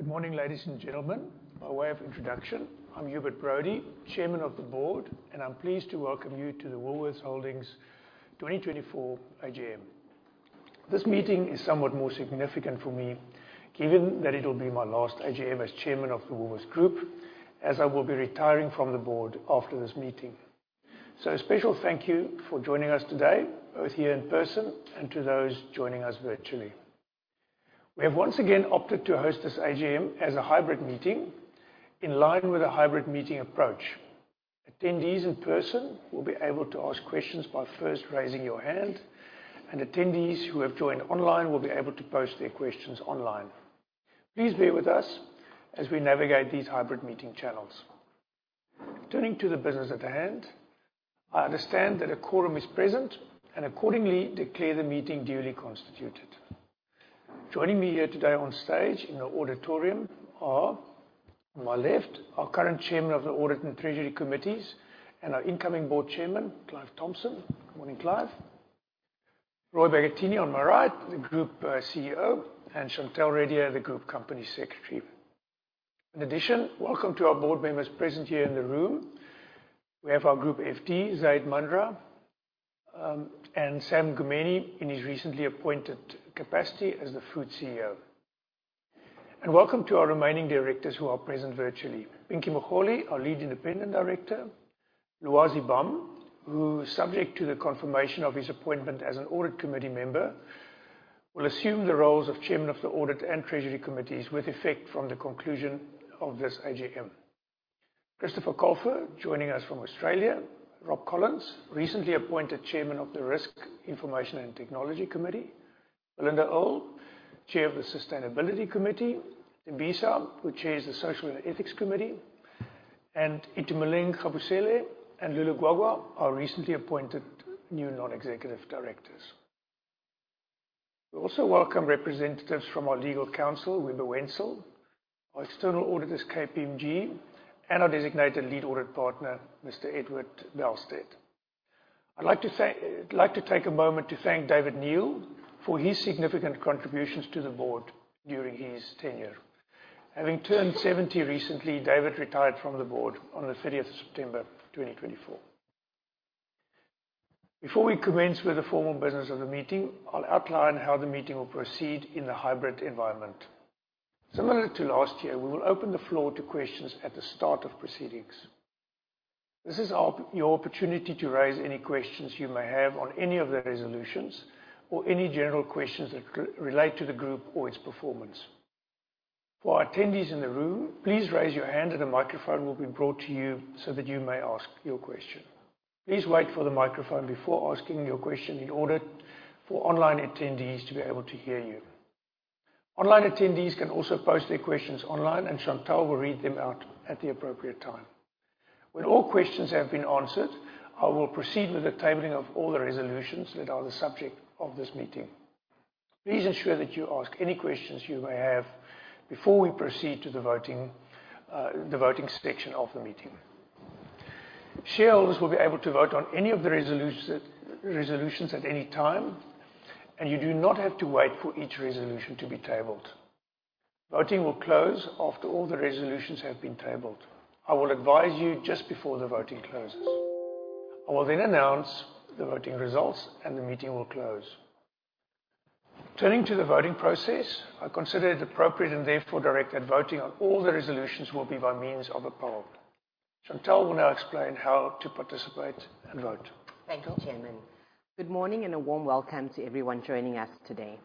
Good morning, ladies and gentlemen. By way of introduction, I'm Hubert Brody, Chairman of the Board, and I'm pleased to welcome you to the Woolworths Holdings 2024 AGM. This meeting is somewhat more significant for me, given that it will be my last AGM as Chairman of the Woolworths Group, as I will be retiring from the Board after this meeting. So, a special thank you for joining us today, both here in person and to those joining us virtually. We have once again opted to host this AGM as a hybrid meeting, in line with a hybrid meeting approach. Attendees in person will be able to ask questions by first raising your hand, and attendees who have joined online will be able to post their questions online. Please bear with us as we navigate these hybrid meeting channels. Turning to the business at hand, I understand that a quorum is present, and accordingly, declare the meeting duly constituted. Joining me here today on stage in the auditorium are, on my left, our current Chairman of the Audit and Treasury Committees and our incoming Board Chairman, Clive Thomson. Good morning, Clive. Roy Bagattini on my right, the Group CEO, and Chantel Reddiar, the Group Company Secretary. In addition, welcome to our Board members present here in the room. We have our Group FD, Zaid Manjra, and Sam Ngumeni in his recently appointed capacity as the Food CEO. And welcome to our remaining directors who are present virtually. Pinky Moholi, our Lead Independent Director. Lwazi Bam, who, subject to the confirmation of his appointment as an Audit Committee member, will assume the roles of Chairman of the Audit and Treasury Committees with effect from the conclusion of this AGM. Christopher Colfer, joining us from Australia. Rob Collins, recently appointed Chairman of the Risk, Information, and Technology Committee. Belinda Earl, Chair of the Sustainability Committee. Thembisa Skweyiya, who chairs the Social and Ethics Committee. And Itumeleng Kgaboesele and Lulu Gwagwa, our recently appointed new non-executive directors. We also welcome representatives from our legal counsel, Webber Wentzel, our external auditors, KPMG, and our designated Lead Audit Partner, Mr. Edward Bester. I'd like to take a moment to thank David Kneale for his significant contributions to the Board during his tenure. Having turned 70 recently, David Kneale retired from the Board on the 30th of September 2024. Before we commence with the formal business of the meeting, I'll outline how the meeting will proceed in the hybrid environment. Similar to last year, we will open the floor to questions at the start of proceedings. This is your opportunity to raise any questions you may have on any of the resolutions or any general questions that relate to the Group or its performance. For our attendees in the room, please raise your hand and a microphone will be brought to you so that you may ask your question. Please wait for the microphone before asking your question in order for online attendees to be able to hear you. Online attendees can also post their questions online, and Chantel will read them out at the appropriate time. When all questions have been answered, I will proceed with the tabling of all the resolutions that are the subject of this meeting. Please ensure that you ask any questions you may have before we proceed to the voting section of the meeting. Shareholders will be able to vote on any of the resolutions at any time, and you do not have to wait for each resolution to be tabled. Voting will close after all the resolutions have been tabled. I will advise you just before the voting closes. I will then announce the voting results, and the meeting will close. Turning to the voting process, I consider it appropriate and therefore direct that voting on all the resolutions will be by means of a poll. Chantel will now explain how to participate and vote. Thank you, Chairman. Good morning and a warm welcome to everyone joining us today.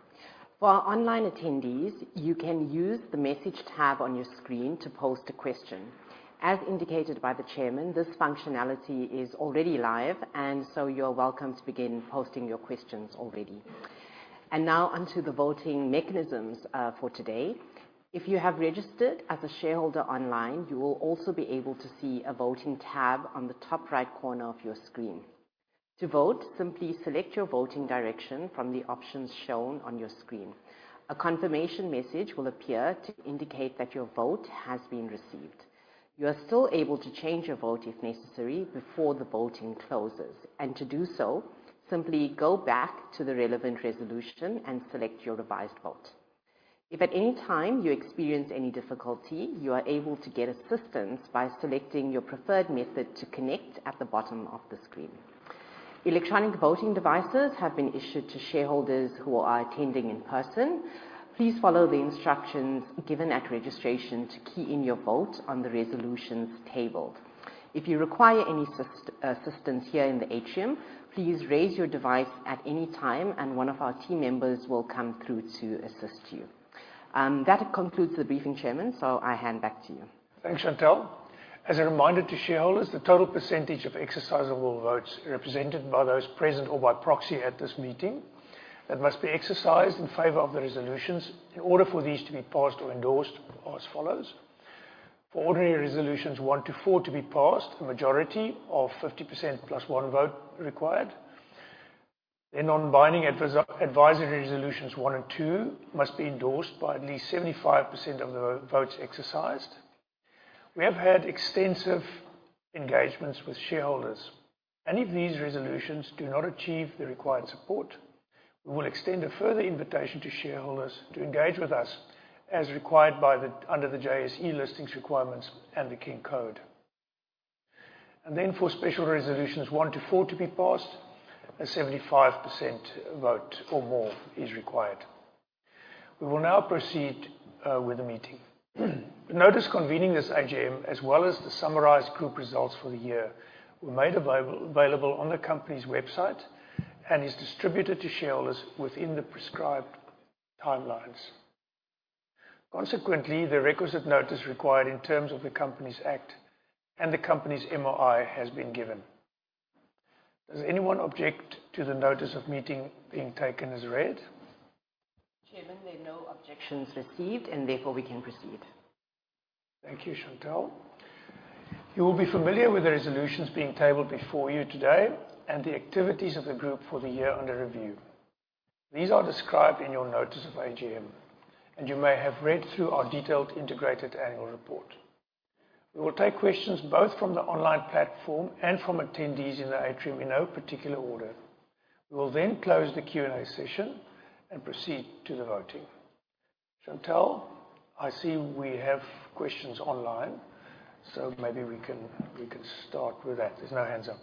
For our online attendees, you can use the message tab on your screen to post a question. As indicated by the Chairman, this functionality is already live, and so you're welcome to begin posting your questions already. And now onto the voting mechanisms for today. If you have registered as a shareholder online, you will also be able to see a voting tab on the top right corner of your screen. To vote, simply select your voting direction from the options shown on your screen. A confirmation message will appear to indicate that your vote has been received. You are still able to change your vote if necessary before the voting closes. And to do so, simply go back to the relevant resolution and select your revised vote. If at any time you experience any difficulty, you are able to get assistance by selecting your preferred method to connect at the bottom of the screen. Electronic voting devices have been issued to shareholders who are attending in person. Please follow the instructions given at registration to key in your vote on the resolutions table. If you require any assistance here in the atrium, please raise your device at any time, and one of our team members will come through to assist you. That concludes the briefing, Chairman, so I hand back to you. Thanks, Chantel. As a reminder to shareholders, the total percentage of exercisable votes represented by those present or by proxy at this meeting that must be exercised in favor of the resolutions in order for these to be passed or endorsed as follows: For ordinary resolutions one to four to be passed, a majority of 50% plus one vote required. Then on binding advisory resolutions one and two must be endorsed by at least 75% of the votes exercised. We have had extensive engagements with shareholders. Any of these resolutions do not achieve the required support. We will extend a further invitation to shareholders to engage with us as required under the JSE listings requirements and the King Code. And then for special resolutions one to four to be passed, a 75% vote or more is required. We will now proceed with the meeting. The notice convening this AGM, as well as the summarized group results for the year, were made available on the company's website and is distributed to shareholders within the prescribed timelines. Consequently, the requisite notice required in terms of the Companies Act and the company's MOI has been given. Does anyone object to the notice of meeting being taken as read? Chairman, there are no objections received, and therefore we can proceed. Thank you, Chantel. You will be familiar with the resolutions being tabled before you today and the activities of the Group for the year under review. These are described in your notice of AGM, and you may have read through our detailed integrated annual report. We will take questions both from the online platform and from attendees in the atrium in no particular order. We will then close the Q&A session and proceed to the voting. Chantel, I see we have questions online, so maybe we can start with that. There's no hands up.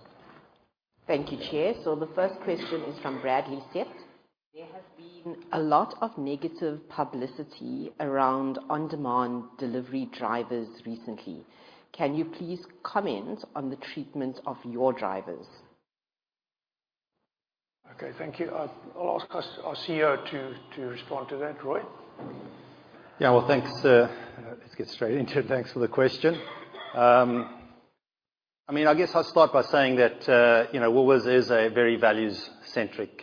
Thank you, Chair. So the first question is from Bradley Sept. There has been a lot of negative publicity around on-demand delivery drivers recently. Can you please comment on the treatment of your drivers? Okay, thank you. I'll ask our CEO to respond to that, Roy. Yeah, well, thanks. Let's get straight into it. Thanks for the question. I mean, I guess I'll start by saying that Woolworths is a very values-centric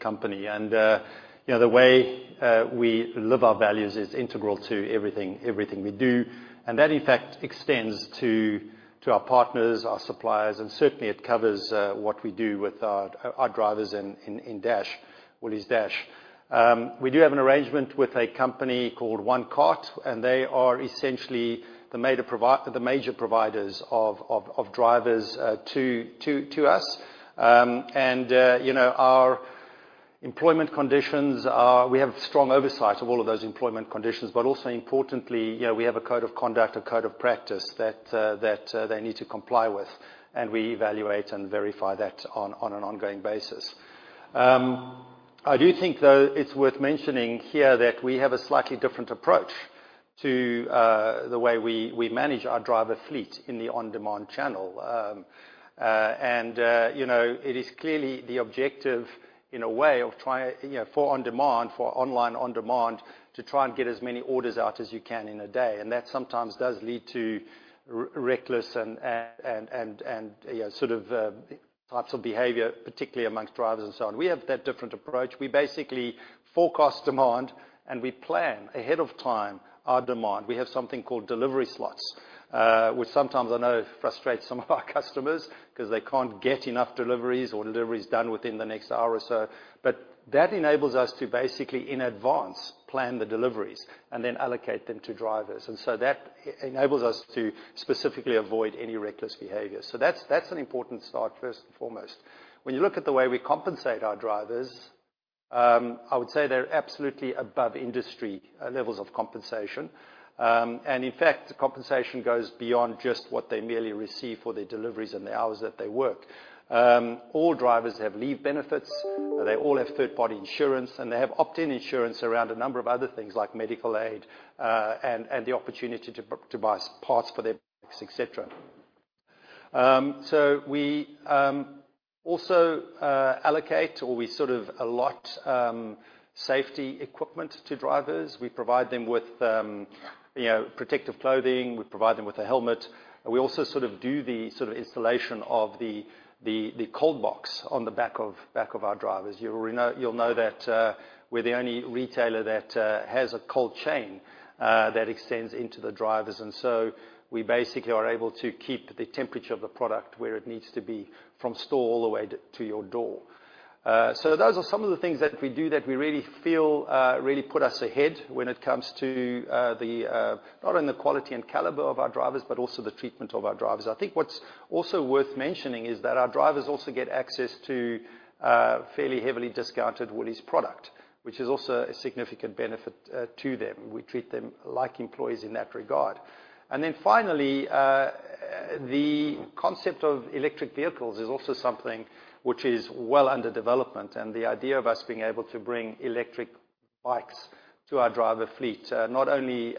company, and the way we live our values is integral to everything we do. And that, in fact, extends to our partners, our suppliers, and certainly it covers what we do with our drivers in Woolies Dash. We do have an arrangement with a company called OneCart, and they are essentially the major providers of drivers to us. And our employment conditions. We have strong oversight of all of those employment conditions, but also importantly, we have a code of conduct, a code of practice that they need to comply with, and we evaluate and verify that on an ongoing basis. I do think, though, it's worth mentioning here that we have a slightly different approach to the way we manage our driver fleet in the on-demand channel. And it is clearly the objective, in a way, of trying for on-demand, for online on-demand, to try and get as many orders out as you can in a day. And that sometimes does lead to reckless and sort of types of behavior, particularly amongst drivers and so on. We have that different approach. We basically forecast demand, and we plan ahead of time our demand. We have something called delivery slots, which sometimes I know frustrates some of our customers because they can't get enough deliveries or deliveries done within the next hour or so. But that enables us to basically in advance plan the deliveries and then allocate them to drivers. That enables us to specifically avoid any reckless behavior. That's an important start, first and foremost. When you look at the way we compensate our drivers, I would say they're absolutely above industry levels of compensation. In fact, the compensation goes beyond just what they merely receive for their deliveries and the hours that they work. All drivers have leave benefits, they all have third-party insurance, and they have opt-in insurance around a number of other things like medical aid and the opportunity to buy parts for their bikes, etc. We also allocate or we sort of allot safety equipment to drivers. We provide them with protective clothing, we provide them with a helmet, and we also sort of do the installation of the cold box on the back of our drivers. You'll know that we're the only retailer that has a cold chain that extends into the drivers, and so we basically are able to keep the temperature of the product where it needs to be from store all the way to your door. So those are some of the things that we do that we really feel really put us ahead when it comes to the not only the quality and caliber of our drivers, but also the treatment of our drivers. I think what's also worth mentioning is that our drivers also get access to fairly heavily discounted Woolies product, which is also a significant benefit to them. We treat them like employees in that regard. And then finally, the concept of electric vehicles is also something which is well under development, and the idea of us being able to bring electric bikes to our driver fleet not only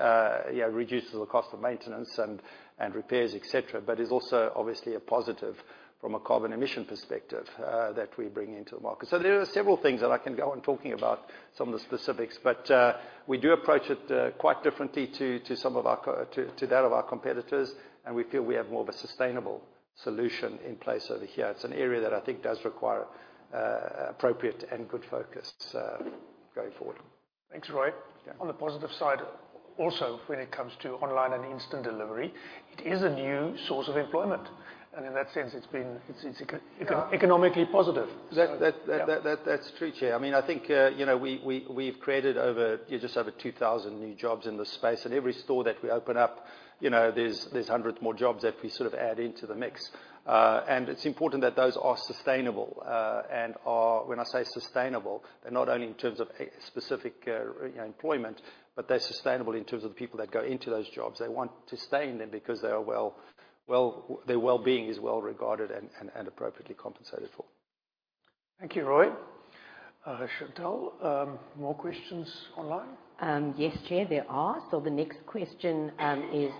reduces the cost of maintenance and repairs, etc., but is also obviously a positive from a carbon emission perspective that we bring into the market. So there are several things that I can go on talking about, some of the specifics, but we do approach it quite differently to some of our competitors, and to that of our competitors, and we feel we have more of a sustainable solution in place over here. It's an area that I think does require appropriate and good focus going forward. Thanks, Roy. On the positive side also, when it comes to online and instant delivery, it is a new source of employment, and in that sense, it's economically positive. That's true, Chair. I mean, I think we've created over just over 2,000 new jobs in this space, and every store that we open up, there's hundreds more jobs that we sort of add into the mix. And it's important that those are sustainable. And when I say sustainable, they're not only in terms of specific employment, but they're sustainable in terms of the people that go into those jobs. They want to stay in them because their well-being is well regarded and appropriately compensated for. Thank you, Roy. Chantel, more questions online? Yes, Chair, there are. So the next question is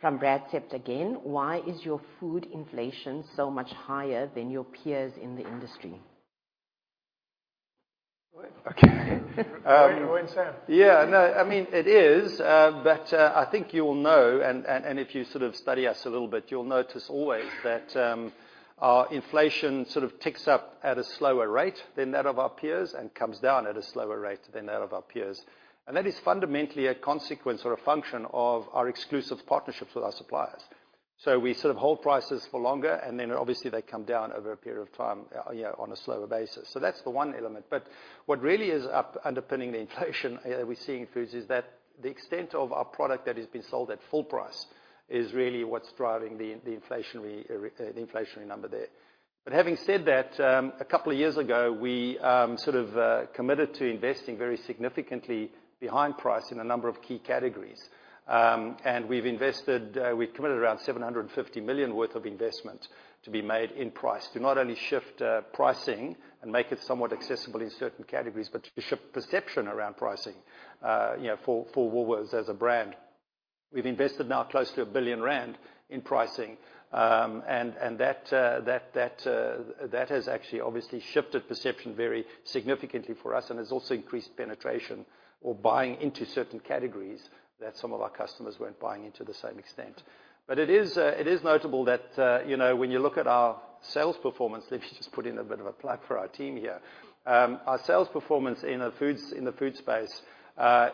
from Bradley Sept, again. Why is your food inflation so much higher than your peers in the industry? Okay. Yeah, no, I mean, it is, but I think you'll know, and if you sort of study us a little bit, you'll notice always that our inflation sort of ticks up at a slower rate than that of our peers and comes down at a slower rate than that of our peers. And that is fundamentally a consequence or a function of our exclusive partnerships with our suppliers. So we sort of hold prices for longer, and then obviously they come down over a period of time on a slower basis. So that's the one element. But what really is underpinning the inflation that we see in foods is that the extent of our product that has been sold at full price is really what's driving the inflationary number there. But having said that, a couple of years ago, we sort of committed to investing very significantly behind price in a number of key categories. And we've invested, we committed around 750 million worth of investment to be made in price to not only shift pricing and make it somewhat accessible in certain categories, but to shift perception around pricing for Woolworths as a brand. We've invested now close to 1 billion rand in pricing, and that has actually obviously shifted perception very significantly for us and has also increased penetration or buying into certain categories that some of our customers weren't buying into to the same extent. But it is notable that when you look at our sales performance, let me just put in a bit of a plug for our team here. Our sales performance in the food space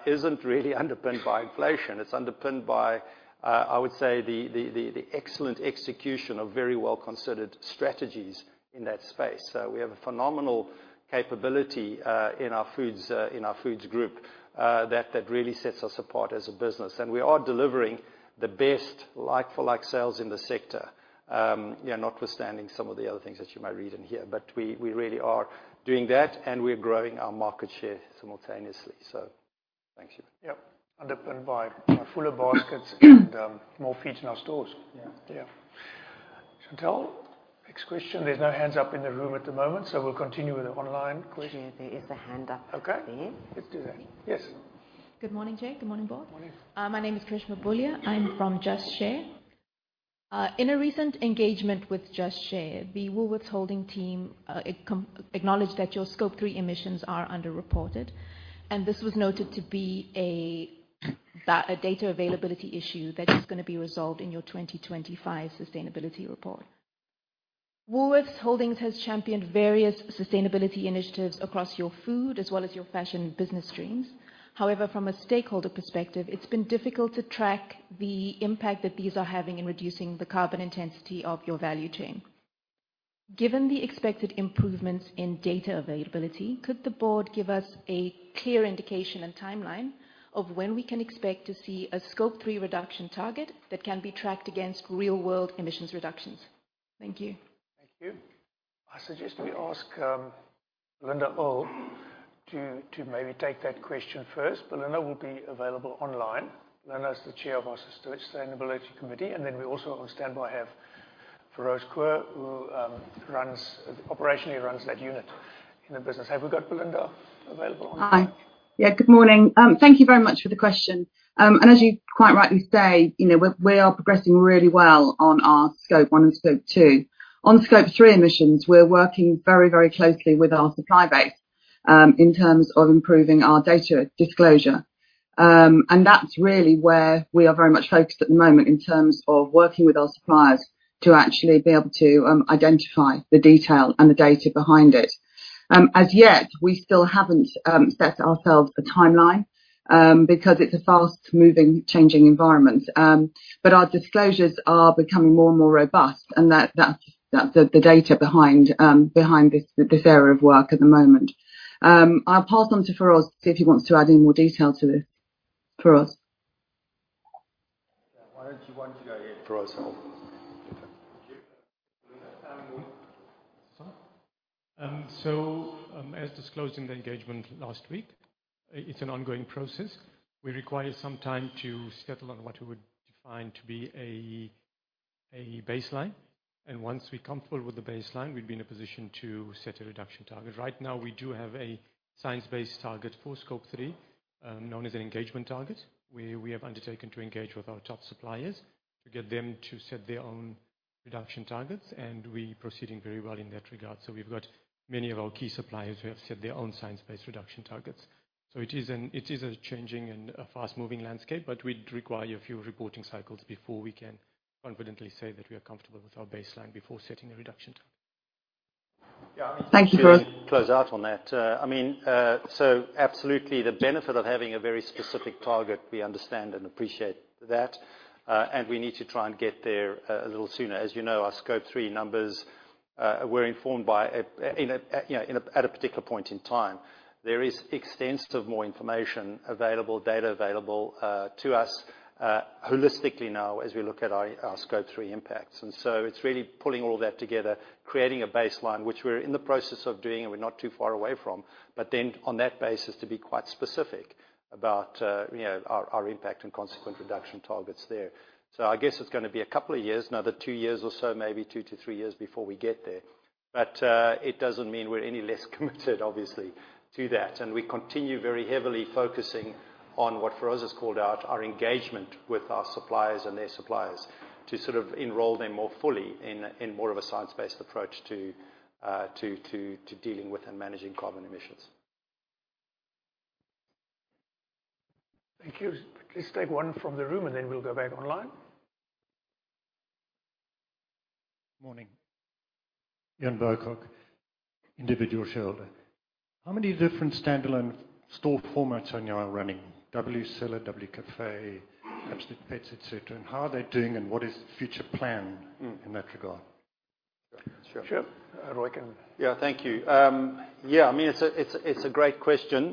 isn't really underpinned by inflation. It's underpinned by, I would say, the excellent execution of very well-considered strategies in that space. So we have a phenomenal capability in our foods group that really sets us apart as a business. And we are delivering the best like-for-like sales in the sector, notwithstanding some of the other things that you might read in here. But we really are doing that, and we're growing our market share simultaneously. So thanks. Yep, underpinned by fuller baskets and more feeds in our stores. Yeah. Chantel, next question. There's no hands up in the room at the moment, so we'll continue with the online question. There is a hand up there. Okay, let's do that. Yes. Good morning, Chair. Good morning, Board. Good morning. My name is Krishma Bhoolia. I'm from Just Share. In a recent engagement with Just Share, the Woolworths Holdings team acknowledged that your Scope 3 emissions are underreported, and this was noted to be a data availability issue that is going to be resolved in your 2025 sustainability report. Woolworths Holdings has championed various sustainability initiatives across your food as well as your fashion business streams. However, from a stakeholder perspective, it's been difficult to track the impact that these are having in reducing the carbon intensity of your value chain. Given the expected improvements in data availability, could the board give us a clear indication and timeline of when we can expect to see a Scope 3 reduction target that can be tracked against real-world emissions reductions? Thank you. Thank you. I suggest we ask Belinda Earl to maybe take that question first. Belinda will be available online. Belinda is the Chair of our Sustainability Committee, and then we also on standby have Feroz Koor, who operationally runs that unit in the business. Have we got Belinda available online? Hi. Yeah, good morning. Thank you very much for the question. And as you quite rightly say, we are progressing really well on our Scope 1 and Scope 2. On Scope 3 emissions, we're working very, very closely with our supply base in terms of improving our data disclosure. And that's really where we are very much focused at the moment in terms of working with our suppliers to actually be able to identify the detail and the data behind it. As yet, we still haven't set ourselves a timeline because it's a fast-moving, changing environment. But our disclosures are becoming more and more robust, and that's the data behind this area of work at the moment. I'll pass on to Feroz to see if he wants to add any more detail to this. Feroz. Why don't you go ahead, Feroz? As disclosed in the engagement last week, it's an ongoing process. We require some time to settle on what we would define to be a baseline. And once we're comfortable with the baseline, we'd be in a position to set a reduction target. Right now, we do have a science-based target for Scope 3 known as an engagement target, where we have undertaken to engage with our top suppliers to get them to set their own reduction targets, and we're proceeding very well in that regard. So we've got many of our key suppliers who have set their own science-based reduction targets. So it is a changing and a fast-moving landscape, but we'd require a few reporting cycles before we can confidently say that we are comfortable with our baseline before setting a reduction target. Yeah. Thank you, Feroz. I can just close out on that. I mean, so absolutely, the benefit of having a very specific target, we understand and appreciate that, and we need to try and get there a little sooner. As you know, our Scope 3 numbers were informed by at a particular point in time. There is extensive more information available, data available to us holistically now as we look at our Scope 3 impacts. And so it's really pulling all that together, creating a baseline, which we're in the process of doing, and we're not too far away from, but then on that basis to be quite specific about our impact and consequent reduction targets there. So I guess it's going to be a couple of years, another two years or so, maybe two to three years before we get there. But it doesn't mean we're any less committed, obviously, to that. And we continue very heavily focusing on what Feroz has called out, our engagement with our suppliers and their suppliers to sort of enroll them more fully in more of a science-based approach to dealing with and managing carbon emissions. Thank you. Please take one from the room, and then we'll go back online. Morning. Ian Burkock, Individual Shareholder. How many different standalone store formats are now running? WCellar, WCafe, Absolute Pets, etc.? And how are they doing, and what is the future plan in that regard? Sure. Roy can. Yeah, thank you. Yeah, I mean, it's a great question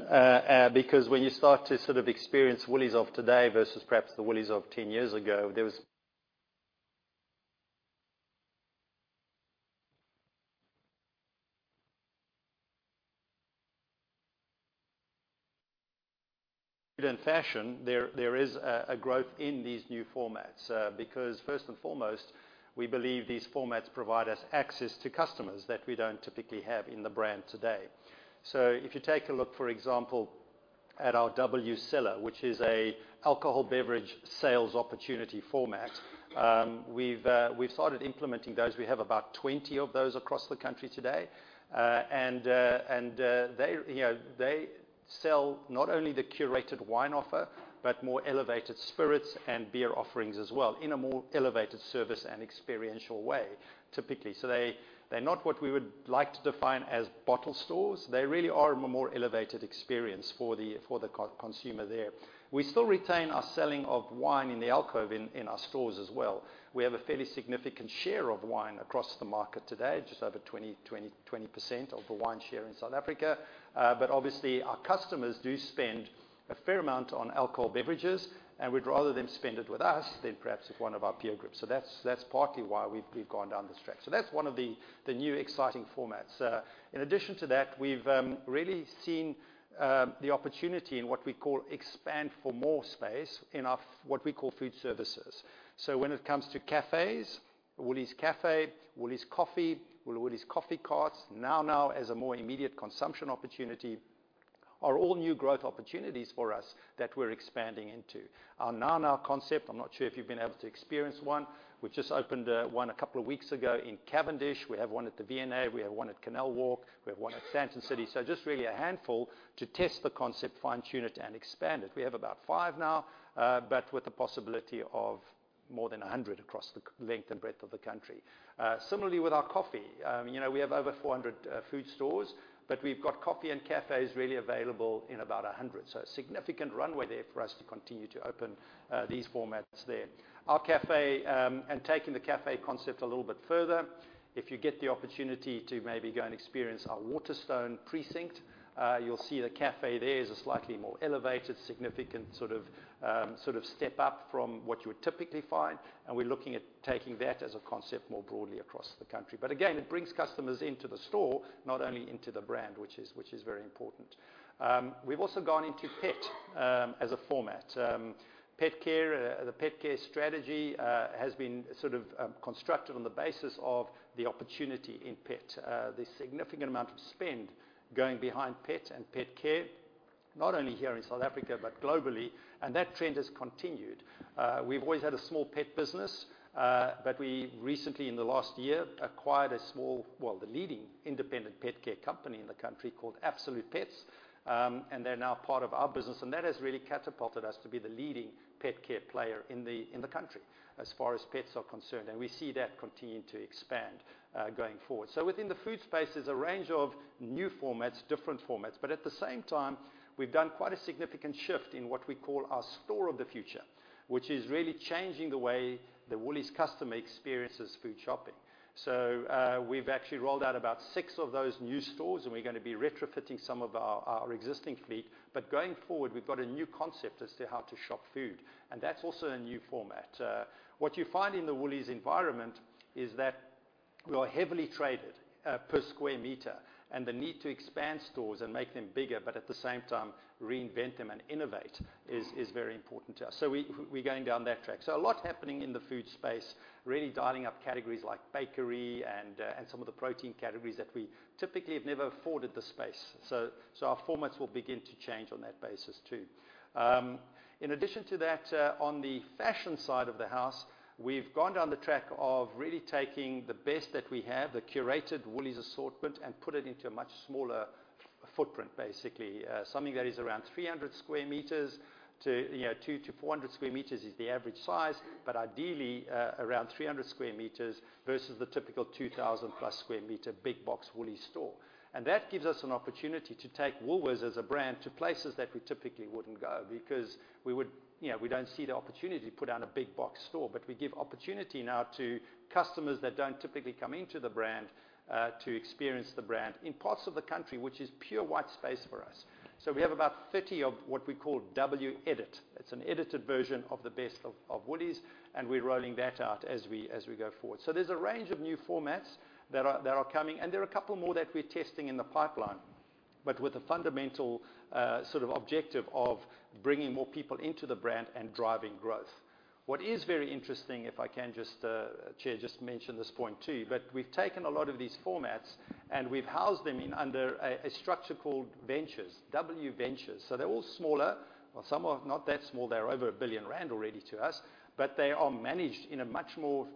because when you start to sort of experience Woolies of today versus perhaps the Woolies of 10 years ago, there was, and fashion, there is a growth in these new formats because, first and foremost, we believe these formats provide us access to customers that we don't typically have in the brand today. So if you take a look, for example, at our WCellar, which is an alcoholic beverage sales opportunity format, we've started implementing those. We have about 20 of those across the country today, and they sell not only the curated wine offer but more elevated spirits and beer offerings as well in a more elevated service and experiential way, typically. So they're not what we would like to define as bottle stores. They really are a more elevated experience for the consumer there. We still retain our selling of wine in the alcove in our stores as well. We have a fairly significant share of wine across the market today, just over 20% of the wine share in South Africa. But obviously, our customers do spend a fair amount on alcohol beverages, and we'd rather them spend it with us than perhaps with one of our peer groups. So that's partly why we've gone down this track. So that's one of the new exciting formats. In addition to that, we've really seen the opportunity in what we call expand for more space in what we call food services. So when it comes to cafes, Woolies Cafe, Woolies Coffee, Woolies Coffee Carts, NowNow as a more immediate consumption opportunity are all new growth opportunities for us that we're expanding into. Our NowNow concept, I'm not sure if you've been able to experience one. We just opened one a couple of weeks ago in Cavendish. We have one at the V&A. We have one at Canal Walk. We have one at Sandton City. So just really a handful to test the concept, fine-tune it, and expand it. We have about five now, but with the possibility of more than 100 across the length and breadth of the country. Similarly, with our coffee, we have over 400 food stores, but we've got coffee and cafes really available in about 100. So a significant runway there for us to continue to open these formats there. Our cafe and taking the cafe concept a little bit further, if you get the opportunity to maybe go and experience our Waterstone Precinct, you'll see the cafe there is a slightly more elevated, significant sort of step up from what you would typically find. And we're looking at taking that as a concept more broadly across the country. But again, it brings customers into the store, not only into the brand, which is very important. We've also gone into pet as a format. Pet care, the pet care strategy has been sort of constructed on the basis of the opportunity in pet. There's a significant amount of spend going behind pet and pet care, not only here in South Africa but globally, and that trend has continued. We've always had a small pet business, but we recently, in the last year, acquired a small, well, the leading independent pet care company in the country called Absolute Pets, and they're now part of our business. And that has really catapulted us to be the leading pet care player in the country as far as pets are concerned. And we see that continue to expand going forward. So within the food space, there's a range of new formats, different formats. But at the same time, we've done quite a significant shift in what we call our store of the future, which is really changing the way the Woolies customer experiences food shopping. So we've actually rolled out about six of those new stores, and we're going to be retrofitting some of our existing fleet. But going forward, we've got a new concept as to how to shop food, and that's also a new format. What you find in the Woolies environment is that we are heavily traded per square meter, and the need to expand stores and make them bigger, but at the same time, reinvent them and innovate is very important to us. So we're going down that track. So a lot happening in the food space, really dialing up categories like bakery and some of the protein categories that we typically have never afforded the space. So our formats will begin to change on that basis too. In addition to that, on the fashion side of the house, we've gone down the track of really taking the best that we have, the curated Woolies assortment, and put it into a much smaller footprint, basically. Something that is around 300-400 sq m is the average size, but ideally around 300 sq m versus the typical 2,000-plus sq m big box Woolies store, and that gives us an opportunity to take Woolworths as a brand to places that we typically wouldn't go because we don't see the opportunity to put down a big box store, but we give opportunity now to customers that don't typically come into the brand to experience the brand in parts of the country, which is pure white space for us, so we have about 30 of what we call WEdit. It's an edited version of the best of Woollies, and we're rolling that out as we go forward. So there's a range of new formats that are coming, and there are a couple more that we're testing in the pipeline, but with the fundamental sort of objective of bringing more people into the brand and driving growth. What is very interesting, if I can just, Chair, just mention this point too, but we've taken a lot of these formats, and we've housed them under a structure called ventures, W Ventures. So they're all smaller. Well, some are not that small. They're over 1 billion rand already to us, but they are managed in a much more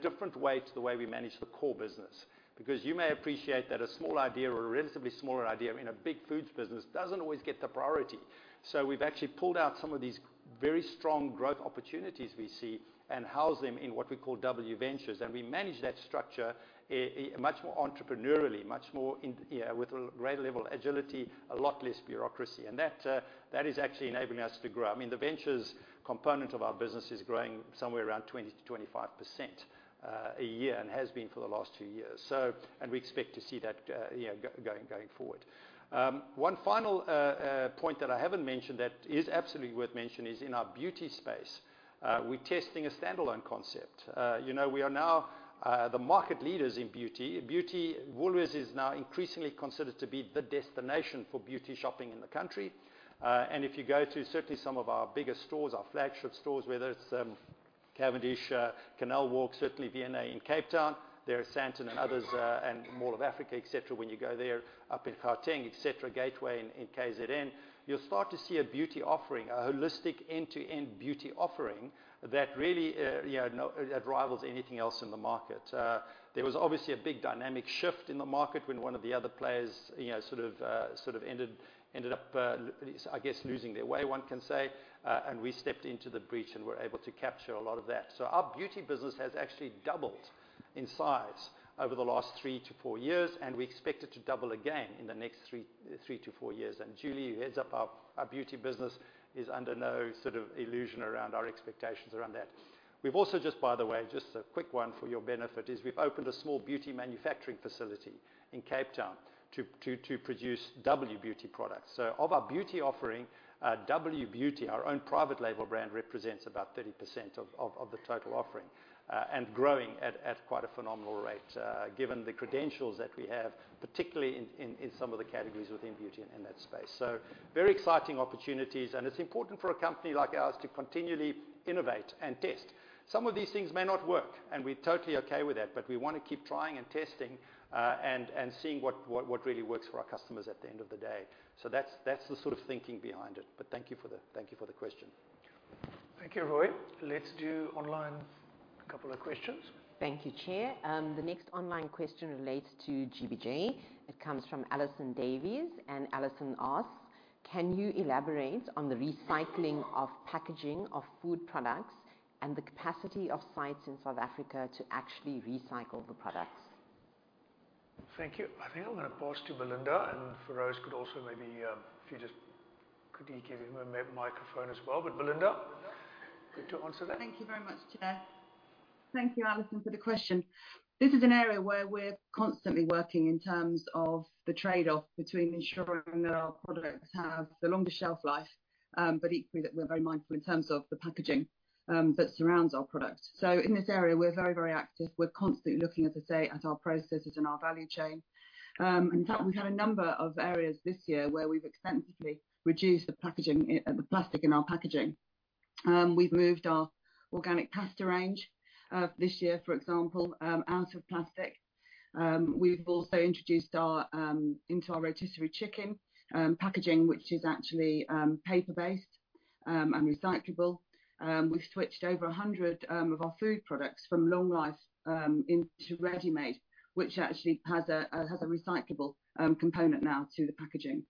different way to the way we manage the core business. Because you may appreciate that a small idea or a relatively smaller idea in a big foods business doesn't always get the priority. So we've actually pulled out some of these very strong growth opportunities we see and housed them in what we call W Ventures. And we manage that structure much more entrepreneurially, much more with a greater level of agility, a lot less bureaucracy. And that is actually enabling us to grow. I mean, the ventures component of our business is growing somewhere around 20%-25% a year and has been for the last few years. And we expect to see that going forward. One final point that I haven't mentioned that is absolutely worth mentioning is in our beauty space, we're testing a standalone concept. We are now the market leaders in beauty. Woolworths is now increasingly considered to be the destination for beauty shopping in the country. If you go to certainly some of our biggest stores, our flagship stores, whether it's Cavendish, Canal Walk, certainly V&A in Cape Town, there are Sandton and others and Mall of Africa, etc. When you go there up in Gauteng, etc., Gateway in KZN, you'll start to see a beauty offering, a holistic end-to-end beauty offering that really rivals anything else in the market. There was obviously a big dynamic shift in the market when one of the other players sort of ended up, I guess, losing their way, one can say. We stepped into the breach and were able to capture a lot of that. Our beauty business has actually doubled in size over the last three to four years, and we expect it to double again in the next three to four years. Julie, who heads up our beauty business, is under no sort of illusion around our expectations around that. We've also just, by the way, just a quick one for your benefit, is we've opened a small beauty manufacturing facility in Cape Town to produce W Beauty products. So of our beauty offering, W Beauty, our own private label brand, represents about 30% of the total offering and growing at quite a phenomenal rate given the credentials that we have, particularly in some of the categories within beauty and in that space. So very exciting opportunities, and it's important for a company like ours to continually innovate and test. Some of these things may not work, and we're totally okay with that, but we want to keep trying and testing and seeing what really works for our customers at the end of the day. So that's the sort of thinking behind it. But thank you for the question. Thank you, Roy. Let's do online a couple of questions. Thank you, Chair. The next online question relates to GBJ. It comes from Alison Davies, and Alison asks, "Can you elaborate on the recycling of packaging of food products and the capacity of sites in South Africa to actually recycle the products? Thank you. I think I'm going to pass to Belinda, and Feroz could also maybe if you just could give him a microphone as well. But Belinda, good to answer that? Thank you very much, Chair. Thank you, Alison, for the question. This is an area where we're constantly working in terms of the trade-off between ensuring that our products have the longest shelf life, but equally that we're very mindful in terms of the packaging that surrounds our products. So in this area, we're very, very active. We're constantly looking, as I say, at our processes and our value chain. In fact, we've had a number of areas this year where we've extensively reduced the plastic in our packaging. We've moved our organic pasta range this year, for example, out of plastic. We've also introduced into our rotisserie chicken packaging, which is actually paper-based and recyclable. We've switched over 100 of our food products from long life into ready-made, which actually has a recyclable component now to the packaging.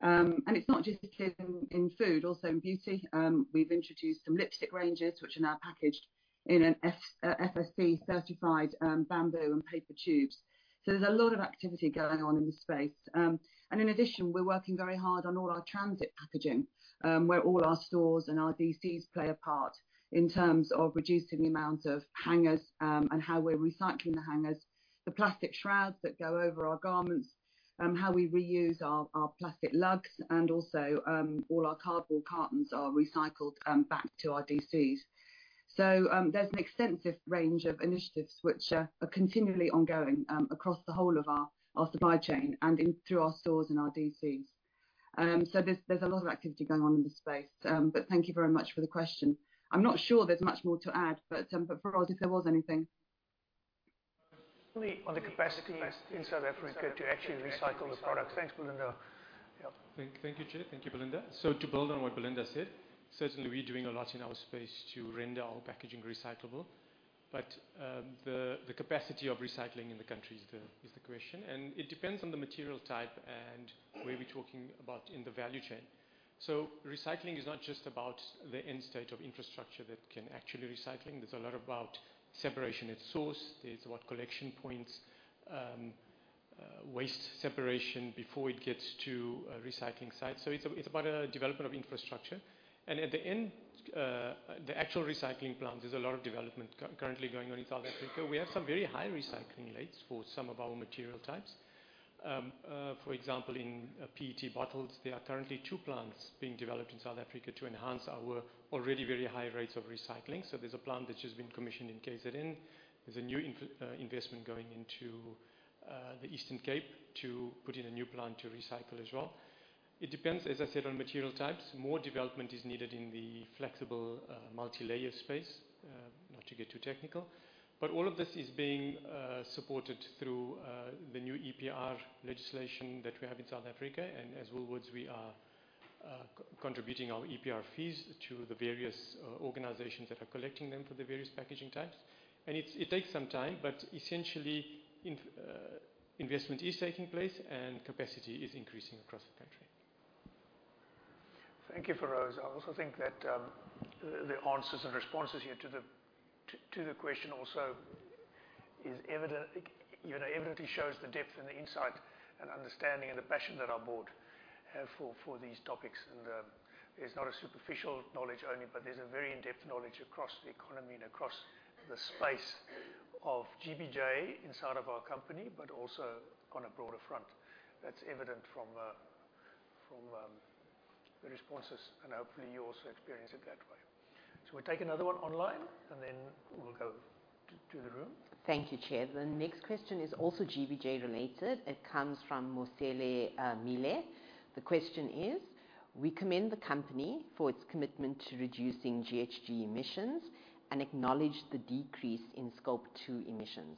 And it's not just in food, also in beauty. We've introduced some lipstick ranges, which are now packaged in an FSC-certified bamboo and paper tubes. So there's a lot of activity going on in the space. And in addition, we're working very hard on all our transit packaging, where all our stores and our DCs play a part in terms of reducing the amount of hangers and how we're recycling the hangers, the plastic shrouds that go over our garments, how we reuse our plastic lugs, and also all our cardboard cartons are recycled back to our DCs. So there's an extensive range of initiatives which are continually ongoing across the whole of our supply chain and through our stores and our DCs. So there's a lot of activity going on in the space. But thank you very much for the question. I'm not sure there's much more to add, but Feroz, if there was anything. Certainly on the capacity inside that, it's very good to actually recycle the products. Thanks, Belinda. Thank you, Chair. Thank you, Belinda. So to build on what Belinda said, certainly we're doing a lot in our space to render our packaging recyclable. But the capacity of recycling in the country is the question, and it depends on the material type and where we're talking about in the value chain. So recycling is not just about the end state of infrastructure that can actually recycle. There's a lot about separation at source. There's what collection points, waste separation before it gets to a recycling site. So it's about a development of infrastructure. And at the end, the actual recycling plants, there's a lot of development currently going on in South Africa. We have some very high recycling rates for some of our material types. For example, in PET bottles, there are currently two plants being developed in South Africa to enhance our already very high rates of recycling, so there's a plant that's just been commissioned in KZN. There's a new investment going into the Eastern Cape to put in a new plant to recycle as well. It depends, as I said, on material types. More development is needed in the flexible multi-layer space, not to get too technical, but all of this is being supported through the new EPR legislation that we have in South Africa, and as Woolworths, we are contributing our EPR fees to the various organizations that are collecting them for the various packaging types, and it takes some time, but essentially, investment is taking place and capacity is increasing across the country. Thank you, Feroz. I also think that the answers and responses here to the question also evidently show the depth and the insight and understanding and the passion that our board have for these topics. There's not a superficial knowledge only, but there's a very in-depth knowledge across the economy and across the space of GBJ inside of our company, but also on a broader front. That's evident from the responses, and hopefully, you also experience it that way. We'll take another one online, and then we'll go to the room. Thank you, Chair. The next question is also GBJ related. It comes from Mwasele Mile. The question is, "We commend the company for its commitment to reducing GHG emissions and acknowledge the decrease in Scope 2 emissions.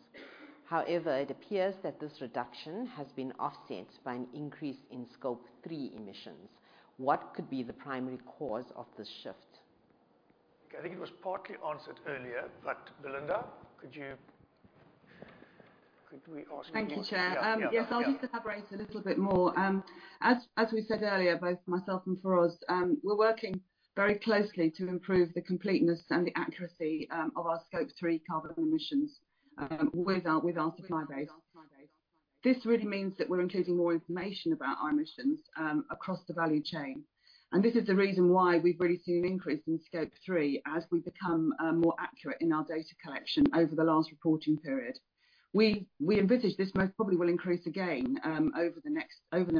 However, it appears that this reduction has been offset by an increase in Scope 3 emissions. What could be the primary cause of this shift? I think it was partly answered earlier, but Belinda, could we ask you? Thank you, Chair. Yes, I'll just elaborate a little bit more. As we said earlier, both myself and Feroz, we're working very closely to improve the completeness and the accuracy of our Scope 3 carbon emissions with our supply base. This really means that we're including more information about our emissions across the value chain, and this is the reason why we've really seen an increase in Scope 3 as we become more accurate in our data collection over the last reporting period. We envisage this most probably will increase again over the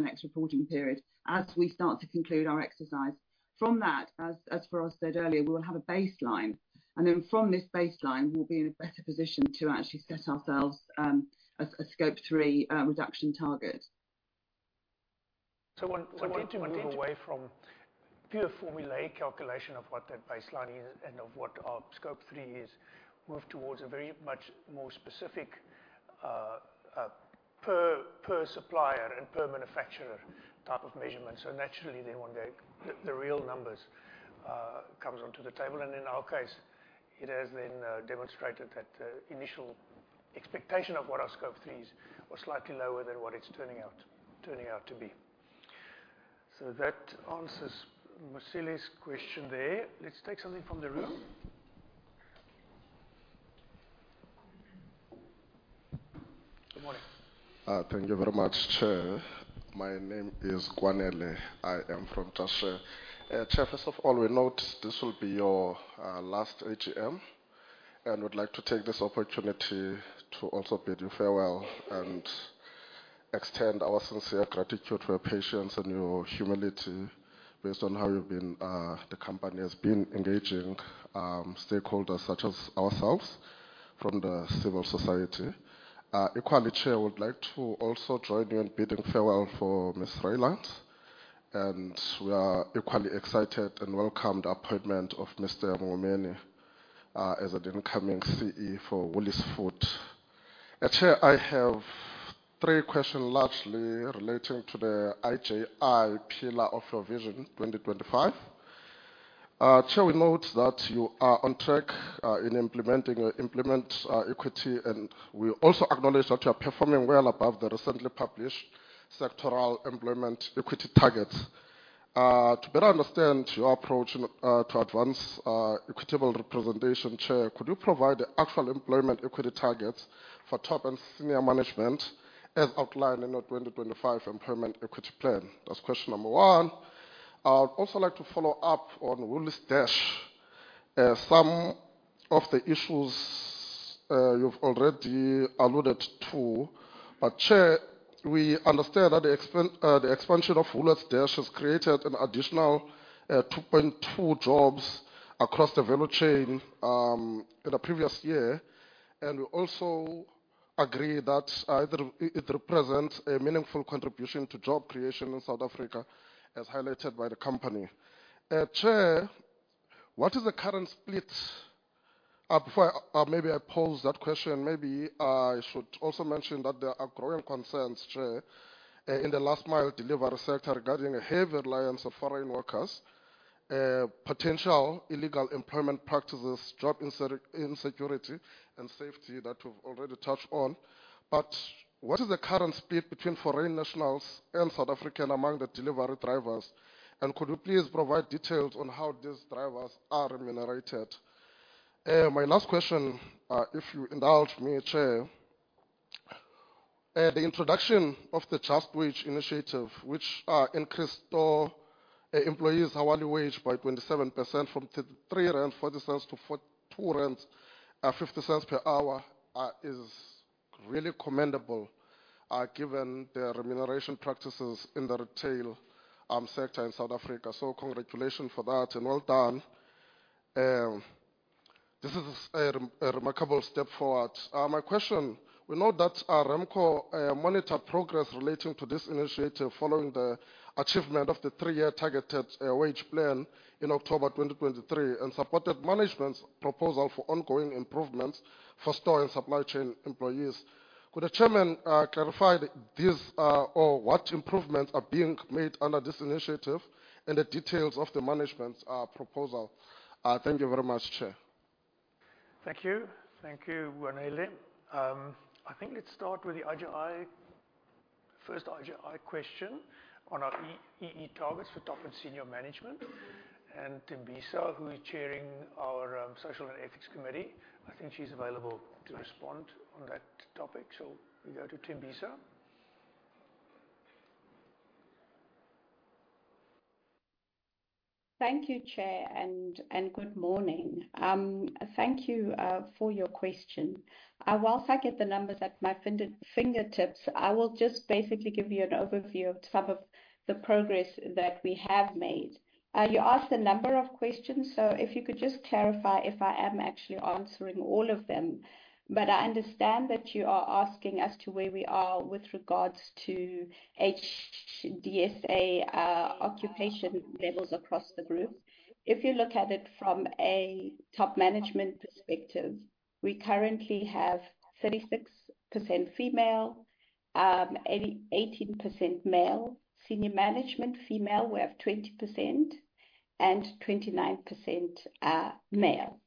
next reporting period as we start to conclude our exercise. From that, as Feroz said earlier, we will have a baseline, and then from this baseline, we'll be in a better position to actually set ourselves a Scope 3 reduction target. So one thing to move away from a pure formulaic calculation of what that baseline is and of what our Scope 3 is, move towards a very much more specific per supplier and per manufacturer type of measurement. So naturally, then when the real numbers come onto the table, and in our case, it has then demonstrated that the initial expectation of what our Scope 3 is was slightly lower than what it's turning out to be. So that answers Mwasele's question there. Let's take something from the room. Good morning. Thank you very much, Chair. My name is Kwanele. I am from Just Share. Chair, first of all, we know this will be your last AGM, and we'd like to take this opportunity to also bid you farewell and extend our sincere gratitude for your patience and your humility based on how the company has been engaging stakeholders such as ourselves from the civil society. Equally, Chair, I would like to also join you in bidding farewell for Ms. Rylands, and we are equally excited and welcome the appointment of Mr. Ngumeni as an incoming CE for Woolies Foods. Chair, I have three questions largely relating to the IJI Pillar of Your Vision 2025. Chair, we note that you are on track in implementing your equity, and we also acknowledge that you are performing well above the recently published sectoral employment equity targets. To better understand your approach to advance equitable representation, Chair, could you provide the actual employment equity targets for top and senior management as outlined in your 2025 employment equity plan? That's question number one. I'd also like to follow up on Woolies Dash. Some of the issues you've already alluded to, but Chair, we understand that the expansion of Woolies Dash has created an additional 2.2 jobs across the value chain in the previous year. And we also agree that it represents a meaningful contribution to job creation in South Africa, as highlighted by the company. Chair, what is the current split? Maybe I pose that question. Maybe I should also mention that there are growing concerns, Chair, in the last-mile delivery sector regarding a heavy reliance on foreign workers, potential illegal employment practices, job insecurity, and safety that we've already touched on. But what is the current split between foreign nationals and South Africans among the delivery drivers? And could you please provide details on how these drivers are remunerated? My last question, if you indulge me, Chair. The introduction of the Just Wage Initiative, which increased employees' hourly wage by 27% from 3.40 rand to 2.50 rand per hour, is really commendable given the remuneration practices in the retail sector in South Africa. So congratulations for that and well done. This is a remarkable step forward. My question, we know that RAMCO monitored progress relating to this initiative following the achievement of the three-year targeted wage plan in October 2023 and supported management's proposal for ongoing improvements for store and supply chain employees. Could the Chairman clarify what improvements are being made under this initiative and the details of the management's proposal? Thank you very much, Chair. Thank you. Thank you, Kwanele. I think, let's start with the first IJI question on our EE targets for top and senior management, and Thembisa Skweyiya, who is chairing our Social and Ethics Committee, I think she's available to respond on that topic, so we go to Thembisa Skweyiya. Thank you, Chair, and good morning. Thank you for your question. While I get the numbers at my fingertips, I will just basically give you an overview of some of the progress that we have made. You asked a number of questions, so if you could just clarify if I am actually answering all of them. But I understand that you are asking as to where we are with regards to HDSA occupation levels across the group. If you look at it from a top management perspective, we currently have 36% female, 18% male. Senior management female, we have 20% and 29% male.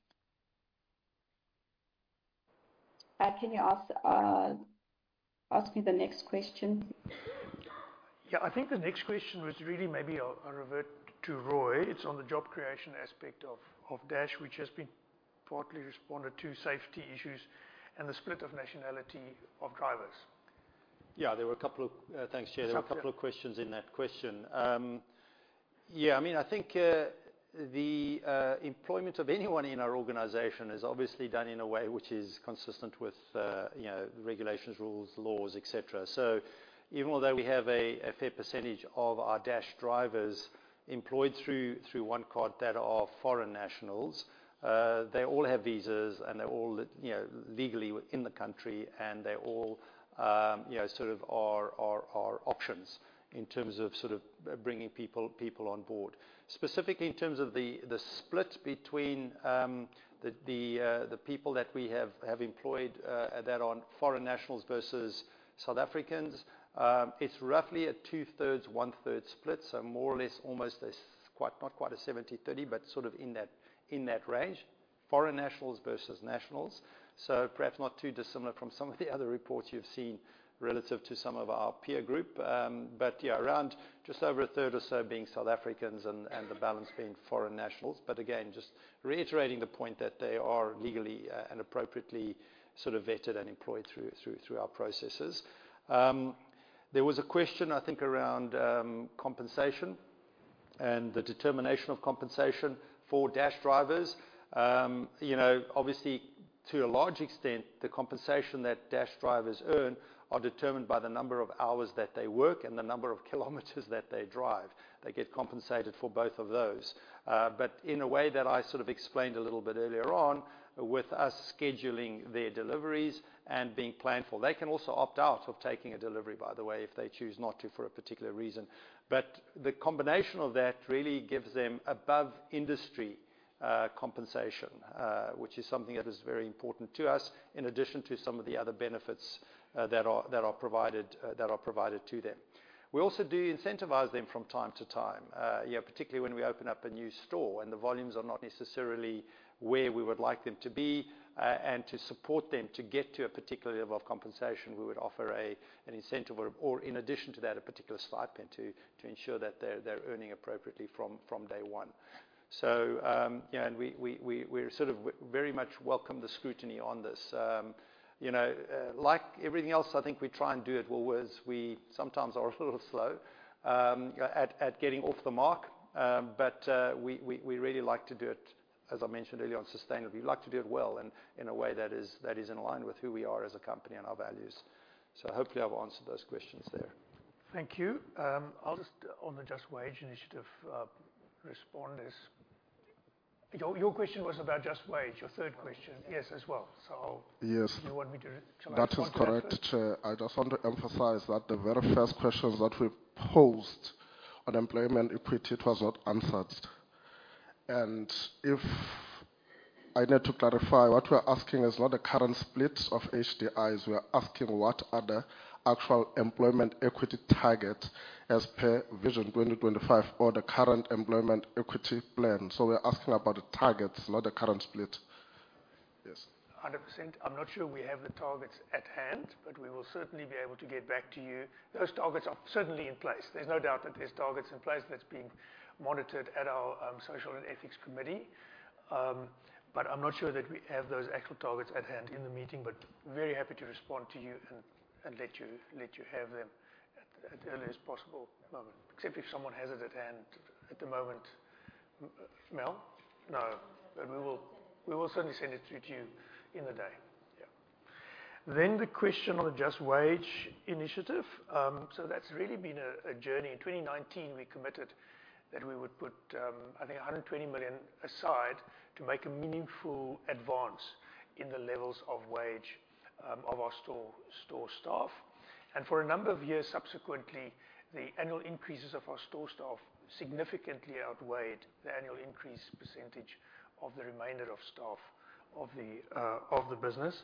Can you ask me the next question? Yeah, I think the next question was really maybe a revert to Roy. It's on the job creation aspect of Dash, which has been partly responded to, safety issues, and the split of nationality of drivers. Yeah, there were a couple of—thanks, Chair. There were a couple of questions in that question. Yeah, I mean, I think the employment of anyone in our organization is obviously done in a way which is consistent with regulations, rules, laws, etc. So even though we have a fair percentage of our Dash drivers employed through OneCart that are foreign nationals, they all have visas and they're all legally in the country, and they all sort of are options in terms of sort of bringing people on board. Specifically in terms of the split between the people that we have employed that are foreign nationals versus South Africans, it's roughly a two-thirds, one-third split. So more or less almost not quite a 70/30, but sort of in that range. Foreign nationals versus nationals. So perhaps not too dissimilar from some of the other reports you've seen relative to some of our peer group. But yeah, around just over a third or so being South Africans and the balance being foreign nationals. But again, just reiterating the point that they are legally and appropriately sort of vetted and employed through our processes. There was a question, I think, around compensation and the determination of compensation for Dash drivers. Obviously, to a large extent, the compensation that Dash drivers earn are determined by the number of hours that they work and the number of kilometers that they drive. They get compensated for both of those. But in a way that I sort of explained a little bit earlier on, with us scheduling their deliveries and being planned for, they can also opt out of taking a delivery, by the way, if they choose not to for a particular reason. But the combination of that really gives them above-industry compensation, which is something that is very important to us in addition to some of the other benefits that are provided to them. We also do incentivize them from time to time, particularly when we open up a new store and the volumes are not necessarily where we would like them to be. And to support them to get to a particular level of compensation, we would offer an incentive or, in addition to that, a particular stipend to ensure that they're earning appropriately from day one. And we sort of very much welcome the scrutiny on this. Like everything else, I think we try and do at Woolworths, we sometimes are a little slow at getting off the mark, but we really like to do it, as I mentioned earlier, sustainably. We like to do it well and in a way that is in line with who we are as a company and our values. So hopefully, I've answered those questions there. Thank you. I'll just, on the Just Wage Initiative, respond. Your question was about Just Wage, your third question, yes, as well. So you want me to try to answer that? Yes, that is correct, Chair. I just want to emphasize that the very first questions that we posed on employment equity was not answered, and if I need to clarify, what we're asking is not the current split of HDIs. We're asking what are the actual employment equity targets as per Vision 2025 or the current employment equity plan, so we're asking about the targets, not the current split. Yes. 100%. I'm not sure we have the targets at hand, but we will certainly be able to get back to you. Those targets are certainly in place. There's no doubt that there's targets in place that's being monitored at our Social and Ethics Committee. But I'm not sure that we have those actual targets at hand in the meeting, but very happy to respond to you and let you have them at the earliest possible moment, except if someone has it at hand at the moment. Mel? No, but we will certainly send it through to you in the day. Yeah. Then the question on the Just Wage Initiative. So that's really been a journey. In 2019, we committed that we would put, I think, 120 million aside to make a meaningful advance in the levels of wage of our store staff. For a number of years subsequently, the annual increases of our store staff significantly outweighed the annual increase percentage of the remainder of staff of the business.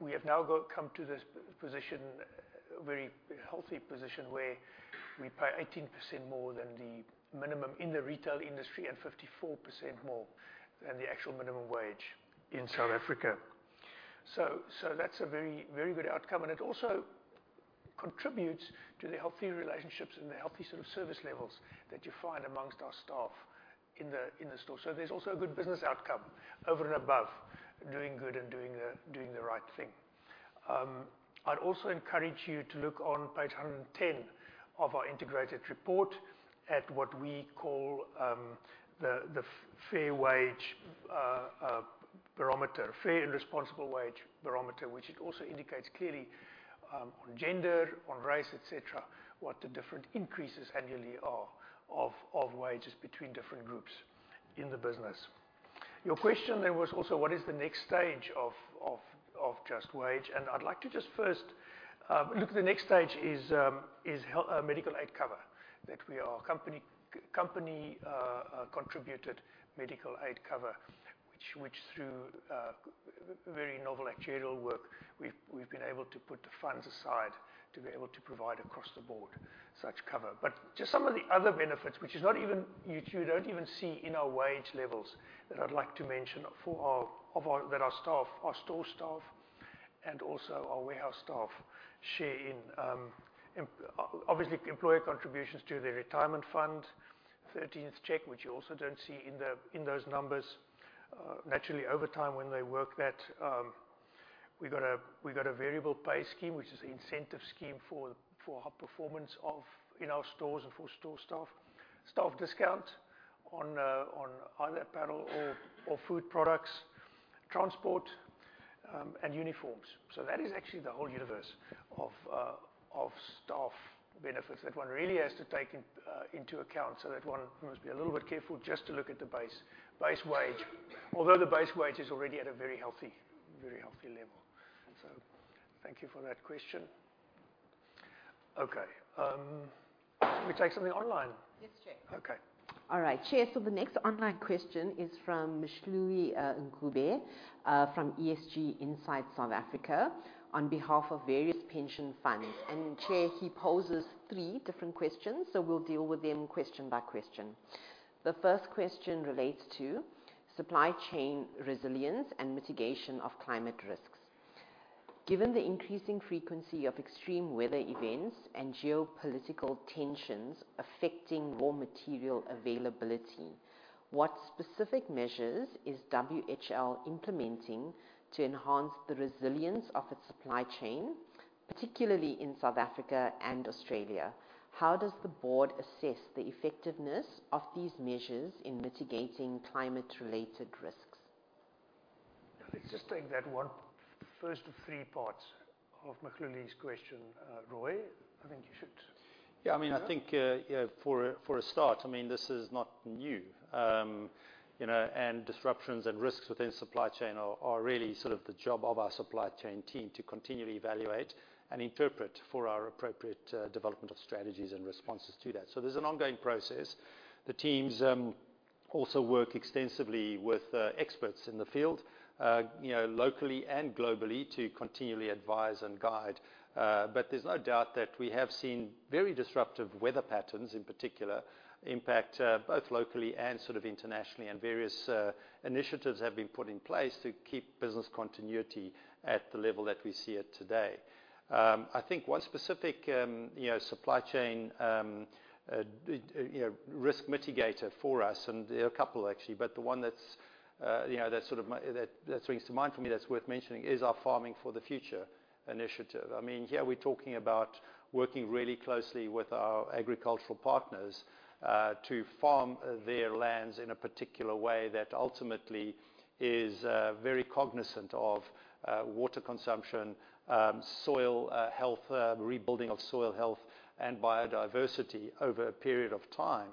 We have now come to this position, a very healthy position, where we pay 18% more than the minimum in the retail industry and 54% more than the actual minimum wage in South Africa. That's a very good outcome. It also contributes to the healthy relationships and the healthy sort of service levels that you find amongst our staff in the store. There's also a good business outcome over and above doing good and doing the right thing. I'd also encourage you to look on page 110 of our integrated report at what we call the Fair Wage Barometer, Fair and Responsible Wage Barometer, which also indicates clearly on gender, on race, etc., what the different increases annually are of wages between different groups in the business. Your question then was also, what is the next stage of Just Wage? And I'd like to just first look at the next stage is medical aid cover that we are company-contributed medical aid cover, which through very novel actuarial work, we've been able to put the funds aside to be able to provide across the board such cover. But just some of the other benefits, which you don't even see in our wage levels, that I'd like to mention that our staff, our store staff, and also our warehouse staff share in. Obviously, employer contributions to the retirement fund, 13th check, which you also don't see in those numbers. Naturally, over time when they work that we got a variable pay scheme, which is an incentive scheme for performance in our stores and for store staff, staff discounts on either apparel or food products, transport, and uniforms. So that is actually the whole universe of staff benefits that one really has to take into account. So that one must be a little bit careful just to look at the base wage, although the base wage is already at a very healthy level. So thank you for that question. Okay. Can we take something online? Yes, Chair. All right. Chair, so the next online question is from Mhluli Ncube from ESG Insight South Africa on behalf of various pension funds. And Chair, he poses three different questions, so we'll deal with them question by question. The first question relates to supply chain resilience and mitigation of climate risks. Given the increasing frequency of extreme weather events and geopolitical tensions affecting raw material availability, what specific measures is WHL implementing to enhance the resilience of its supply chain, particularly in South Africa and Australia? How does the board assess the effectiveness of these measures in mitigating climate-related risks? Let's just take that one first three parts of Mhluli's question. Roy, I think you should. Yeah, I mean, I think for a start, I mean, this is not new, and disruptions and risks within supply chain are really sort of the job of our supply chain team to continually evaluate and interpret for our appropriate development of strategies and responses to that, so there's an ongoing process. The teams also work extensively with experts in the field locally and globally to continually advise and guide, but there's no doubt that we have seen very disruptive weather patterns in particular impact both locally and sort of internationally, and various initiatives have been put in place to keep business continuity at the level that we see it today. I think one specific supply chain risk mitigator for us, and there are a couple actually, but the one that sort of that rings to mind for me that's worth mentioning is our Farming for the Future initiative. I mean, here we're talking about working really closely with our agricultural partners to farm their lands in a particular way that ultimately is very cognizant of water consumption, soil health, rebuilding of soil health and biodiversity over a period of time.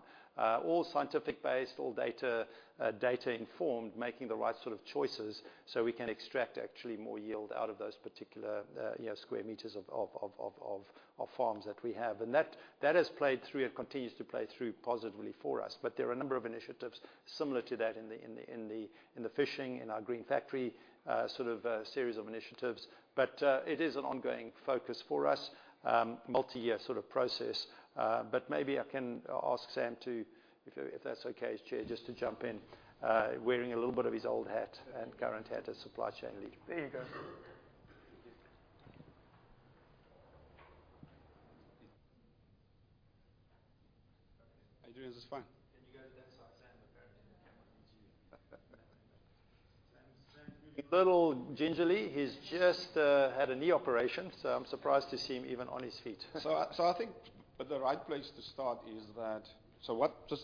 All scientific-based, all data-informed, making the right sort of choices so we can extract actually more yield out of those particular square meters of farms that we have, and that has played through and continues to play through positively for us, but there are a number of initiatives similar to that in the fishing, in our green factory sort of series of initiatives, but it is an ongoing focus for us, multi-year sort of process. But maybe I can ask Sam to, if that's okay, Chair, just to jump in, wearing a little bit of his old hat and current hat as supply chain leader. There you go. Adrian's fine. Can you go to that side? Sam apparently can't wait to see you. Sam's really a little gingerly. He's just had a knee operation, so I'm surprised to see him even on his feet. I think the right place to start is that.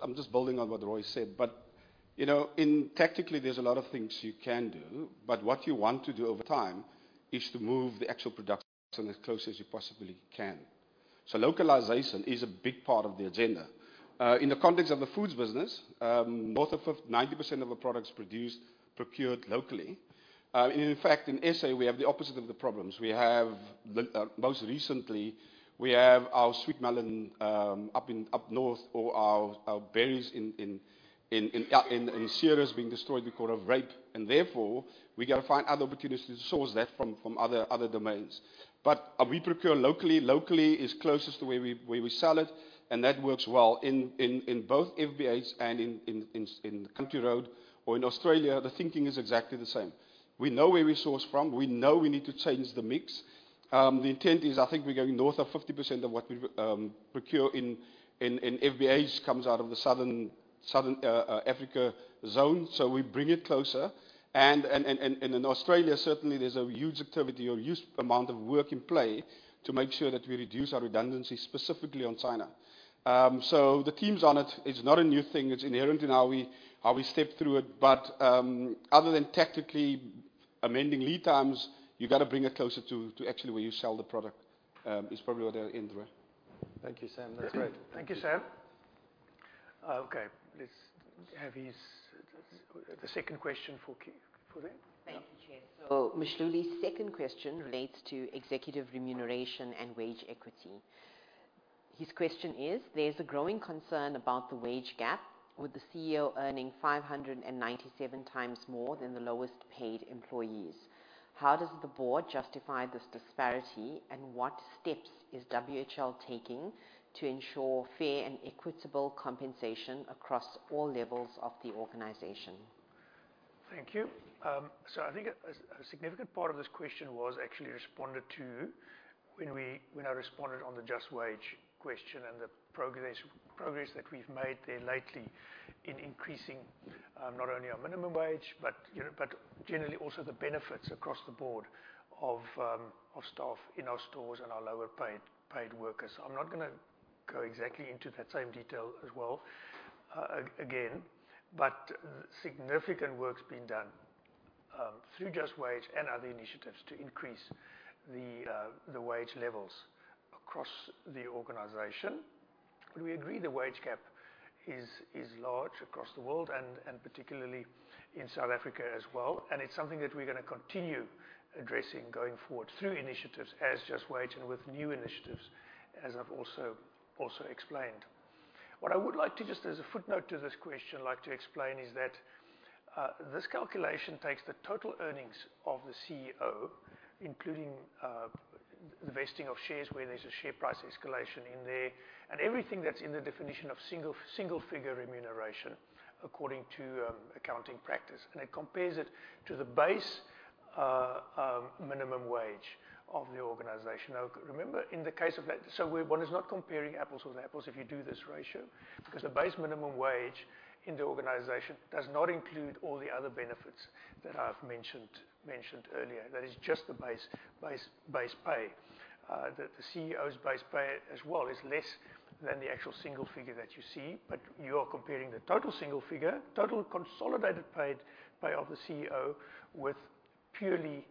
I'm just building on what Roy said. But technically, there's a lot of things you can do, but what you want to do over time is to move the actual production as close as you possibly can. So localization is a big part of the agenda. In the context of the foods business, 90% of the products produced are procured locally. In fact, in SA, we have the opposite of the problems. Most recently, we have our sweet melon up north or our berries in Ceres being destroyed because of hail. Therefore, we got to find other opportunities to source that from other domains. But we procure locally. Locally is closest to where we sell it, and that works well in both FBH and in Country Road. Or in Australia, the thinking is exactly the same. We know where we source from. We know we need to change the mix. The intent is, I think we're going north of 50% of what we procure in FBH comes out of the Southern Africa zone. So we bring it closer. And in Australia, certainly, there's a huge activity or huge amount of work in play to make sure that we reduce our redundancy specifically on China. So the teams on it, it's not a new thing. It's inherent in how we step through it. But other than technically amending lead times, you got to bring it closer to actually where you sell the product. It's probably what I'll end with. Thank you, Sam. That's great. Thank you, Sam. Okay. Let's have the second question for that. Thank you, Chair. So Mhluli's second question relates to executive remuneration and wage equity. His question is, there's a growing concern about the wage gap with the CEO earning 597x more than the lowest-paid employees. How does the board justify this disparity, and what steps is WHL taking to ensure fair and equitable compensation across all levels of the organization? Thank you. So I think a significant part of this question was actually responded to when I responded on the Just Wage question and the progress that we've made there lately in increasing not only our minimum wage, but generally also the benefits across the board of staff in our stores and our lower-paid workers. I'm not going to go exactly into that same detail as well again, but significant work's been done through Just Wage and other initiatives to increase the wage levels across the organization. We agree the wage gap is large across the world and particularly in South Africa as well. And it's something that we're going to continue addressing going forward through initiatives as Just Wage and with new initiatives, as I've also explained. What I would like to just, as a footnote to this question, like to explain is that this calculation takes the total earnings of the CEO, including the vesting of shares where there's a share price escalation in there, and everything that's in the definition of single figure remuneration according to accounting practice. And it compares it to the base minimum wage of the organization. Now, remember, in the case of that, so one is not comparing apples with apples if you do this ratio, because the base minimum wage in the organization does not include all the other benefits that I've mentioned earlier. That is just the base pay. The CEO's base pay as well is less than the actual single figure that you see, but you are comparing the total single figure, total consolidated pay of the CEO with purely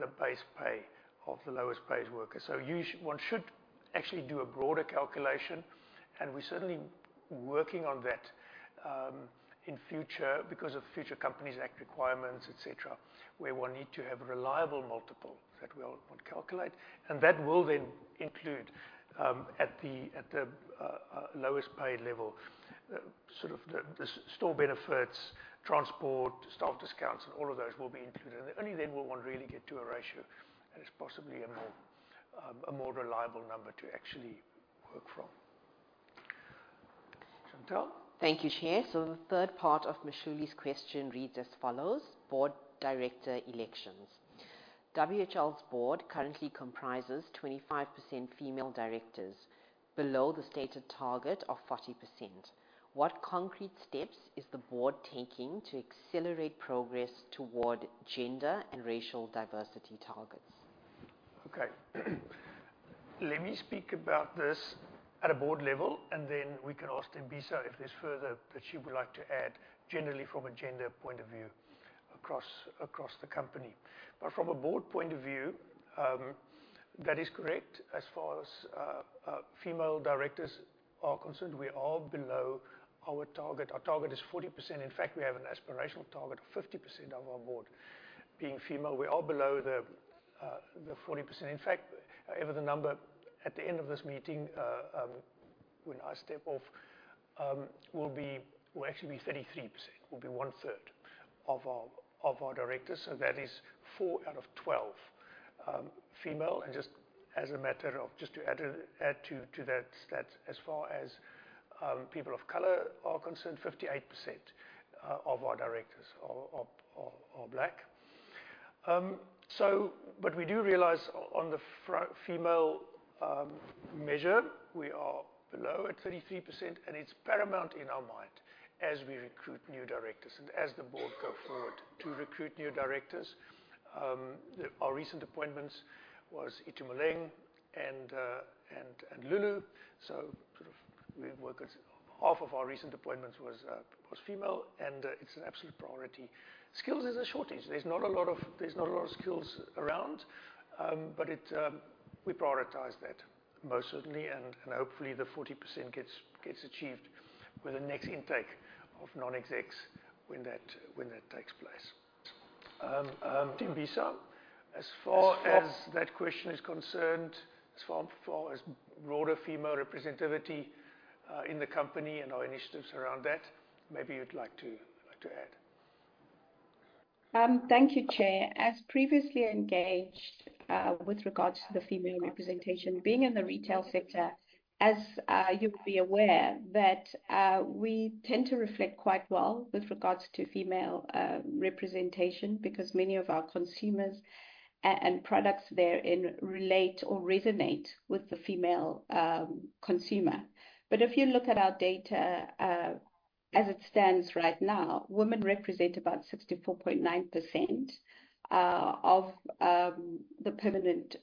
the base pay of the lowest-paid worker. One should actually do a broader calculation, and we're certainly working on that in future because of Companies Act requirements, etc., where one needs to have a reliable multiple that we'll calculate. And that will then include at the lowest-paid level sort of the store benefits, transport, staff discounts, and all of those will be included. And only then will one really get to a ratio that is possibly a more reliable number to actually work from. Chantel? Thank you, Chair. So the third part of Mhluli's question reads as follows: Board Director elections. WHL's board currently comprises 25% female directors below the stated target of 40%. What concrete steps is the board taking to accelerate progress toward gender and racial diversity targets? Okay. Let me speak about this at a board level, and then we can ask Thembisa if there's further that she would like to add generally from a gender point of view across the company. But from a board point of view, that is correct. As far as female directors are concerned, we are below our target. Our target is 40%. In fact, we have an aspirational target of 50% of our board being female. We are below the 40%. In fact, however, the number at the end of this meeting when I step off will actually be 33%. It will be one-third of our directors. So that is four out of 12 female. And just as a matter of just to add to that, as far as people of color are concerned, 58% of our directors are black. But we do realize on the female measure, we are below at 33%, and it's paramount in our mind as we recruit new directors and as the board go forward to recruit new directors. Our recent appointments was Itumeleng and Lulu. So sort of half of our recent appointments was female, and it's an absolute priority. Skills is a shortage. There's not a lot of skills around, but we prioritize that most certainly, and hopefully the 40% gets achieved with the next intake of non-execs when that takes place. Thembisa, as far as that question is concerned, as far as broader female representativity in the company and our initiatives around that, maybe you'd like to add. Thank you, Chair. As previously engaged with regards to the female representation being in the retail sector, as you'll be aware, we tend to reflect quite well with regards to female representation because many of our consumers and products therein relate or resonate with the female consumer. But if you look at our data as it stands right now, women represent about 64.9% of the permanent